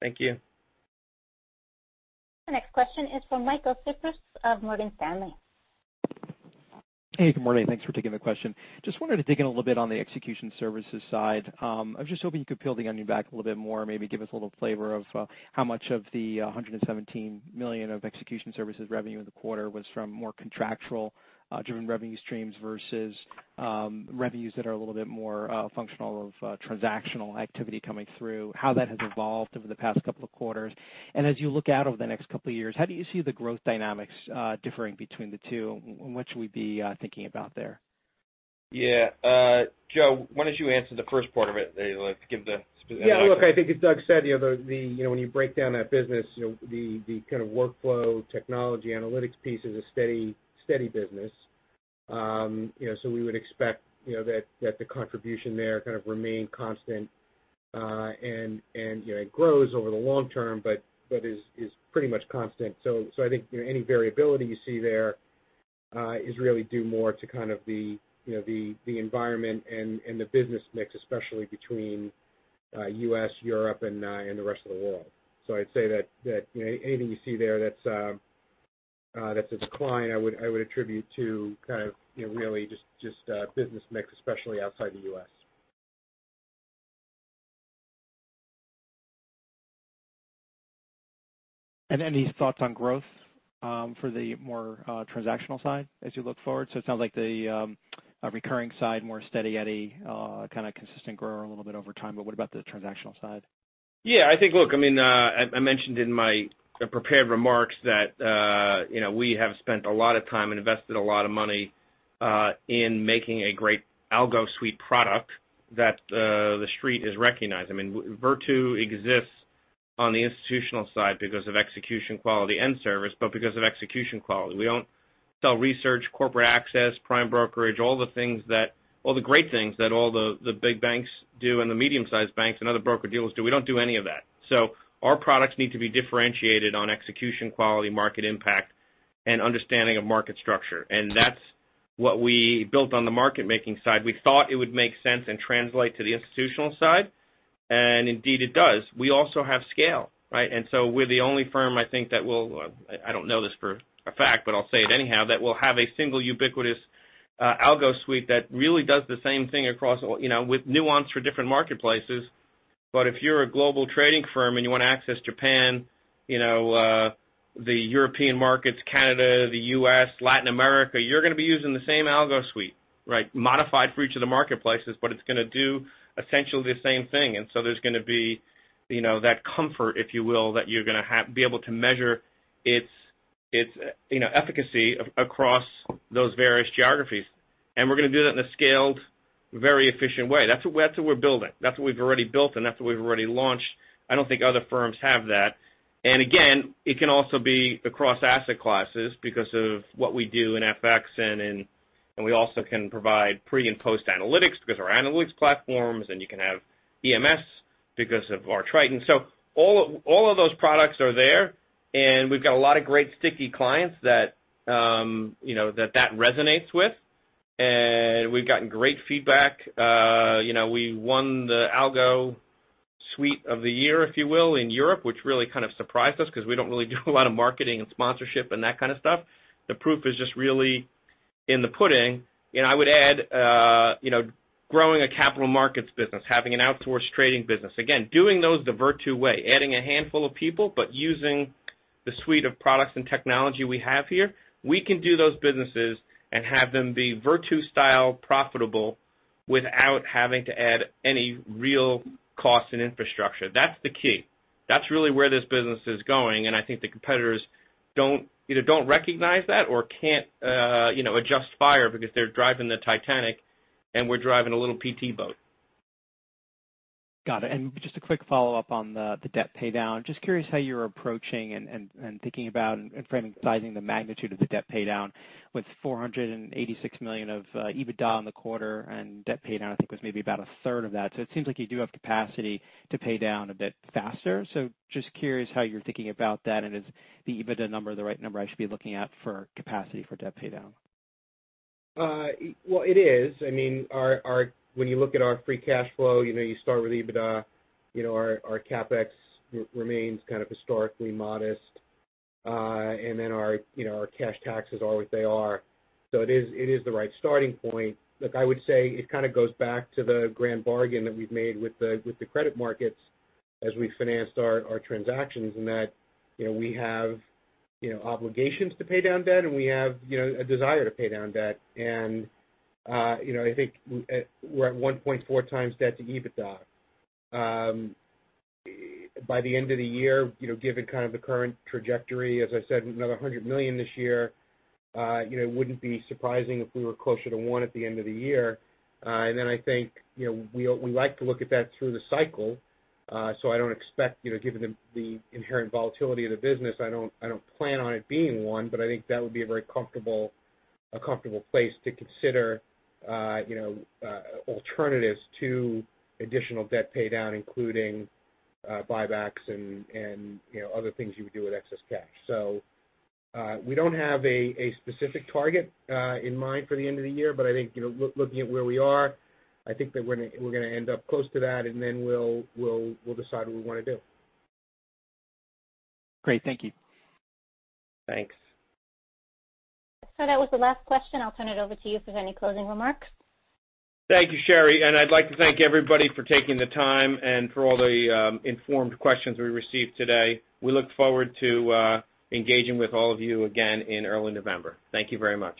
Thank you. The next question is from Michael Cyprys of Morgan Stanley. Hey, good morning. Thanks for taking the question. Just wanted to dig in a little bit on the execution services side. I was just hoping you could peel the onion back a little bit more, maybe give us a little flavor of how much of the $117 million of execution services revenue in the quarter was from more contractual-driven revenue streams versus revenues that are a little bit more functional of transactional activity coming through, how that has evolved over the past couple of quarters. And as you look out over the next couple of years, how do you see the growth dynamics differing between the two, and what should we be thinking about there? Yeah. Joe, why don't you answer the first part of it? Give the specifics. Yeah. Look, I think, as Doug said, when you break down that business, the kind of workflow, technology, analytics piece is a steady business. So we would expect that the contribution there kind of remain constant and grows over the long term but is pretty much constant. So I think any variability you see there is really due more to kind of the environment and the business mix, especially between U.S., Europe, and the rest of the world. So I'd say that anything you see there that's a decline, I would attribute to kind of really just business mix, especially outside the U.S. And any thoughts on growth for the more transactional side as you look forward? So it sounds like the recurring side is more steady, at a kind of consistent grower a little bit over time. But what about the transactional side? Yeah. I think, look, I mean, I mentioned in my prepared remarks that we have spent a lot of time and invested a lot of money in making a great algo suite product that the street is recognizing. I mean, Virtu exists on the institutional side because of execution quality and service, but because of execution quality. We don't sell research, corporate access, prime brokerage, all the great things that all the big banks do and the medium-sized banks and other broker dealers do. We don't do any of that. So our products need to be differentiated on execution quality, market impact, and understanding of market structure. And that's what we built on the market-making side. We thought it would make sense and translate to the institutional side. And indeed, it does. We also have scale, right? And so we're the only firm, I think, that will, I don't know this for a fact, but I'll say it anyhow, that will have a single ubiquitous algo suite that really does the same thing across with nuance for different marketplaces. But if you're a global trading firm and you want to access Japan, the European markets, Canada, the U.S., Latin America, you're going to be using the same algo suite, right, modified for each of the marketplaces, but it's going to do essentially the same thing. And so there's going to be that comfort, if you will, that you're going to be able to measure its efficacy across those various geographies. And we're going to do that in a scaled, very efficient way. That's what we're building. That's what we've already built, and that's what we've already launched. I don't think other firms have that. And again, it can also be across asset classes because of what we do in FX. And we also can provide pre and post-analytics because of our analytics platforms. And you can have EMS because of our Triton. So all of those products are there. And we've got a lot of great sticky clients that that resonates with. And we've gotten great feedback. We won the Algo Suite of the Year, if you will, in Europe, which really kind of surprised us because we don't really do a lot of marketing and sponsorship and that kind of stuff. The proof is just really in the pudding. And I would add growing a capital markets business, having an outsourced trading business. Again, doing those the Virtu way, adding a handful of people, but using the suite of products and technology we have here, we can do those businesses and have them be Virtu-style profitable without having to add any real costs in infrastructure. That's the key. That's really where this business is going. And I think the competitors either don't recognize that or can't adjust fire because they're driving the Titanic, and we're driving a little PT boat. Got it. And just a quick follow-up on the debt paydown. Just curious how you're approaching and thinking about and framing the magnitude of the debt paydown with $486 million of EBITDA in the quarter. And debt paydown, I think, was maybe about a third of that. So it seems like you do have capacity to pay down a bit faster. So just curious how you're thinking about that. And is the EBITDA number the right number I should be looking at for capacity for debt paydown? Well, it is. I mean, when you look at our free cash flow, you start with EBITDA. Our CapEx remains kind of historically modest. And then our cash taxes are what they are. So it is the right starting point. Look, I would say it kind of goes back to the grand bargain that we've made with the credit markets as we financed our transactions in that we have obligations to pay down debt, and we have a desire to pay down debt. And I think we're at 1.4 times debt to EBITDA. By the end of the year, given kind of the current trajectory, as I said, another $100 million this year, it wouldn't be surprising if we were closer to $1 billion at the end of the year, and then I think we like to look at that through the cycle, so I don't expect, given the inherent volatility of the business, I don't plan on it being $1 billion, but I think that would be a very comfortable place to consider alternatives to additional debt paydown, including buybacks and other things you would do with excess cash, so we don't have a specific target in mind for the end of the year, but I think looking at where we are, I think that we're going to end up close to that, and then we'll decide what we want to do. Great. Thank you. Thanks, so that was the last question. I'll turn it over to you for any closing remarks. Thank you, Sherry. And I'd like to thank everybody for taking the time and for all the informed questions we received today. We look forward to engaging with all of you again in early November. Thank you very much.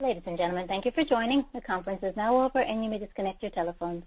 Ladies and gentlemen, thank you for joining. The conference is now over, and you may disconnect your telephones.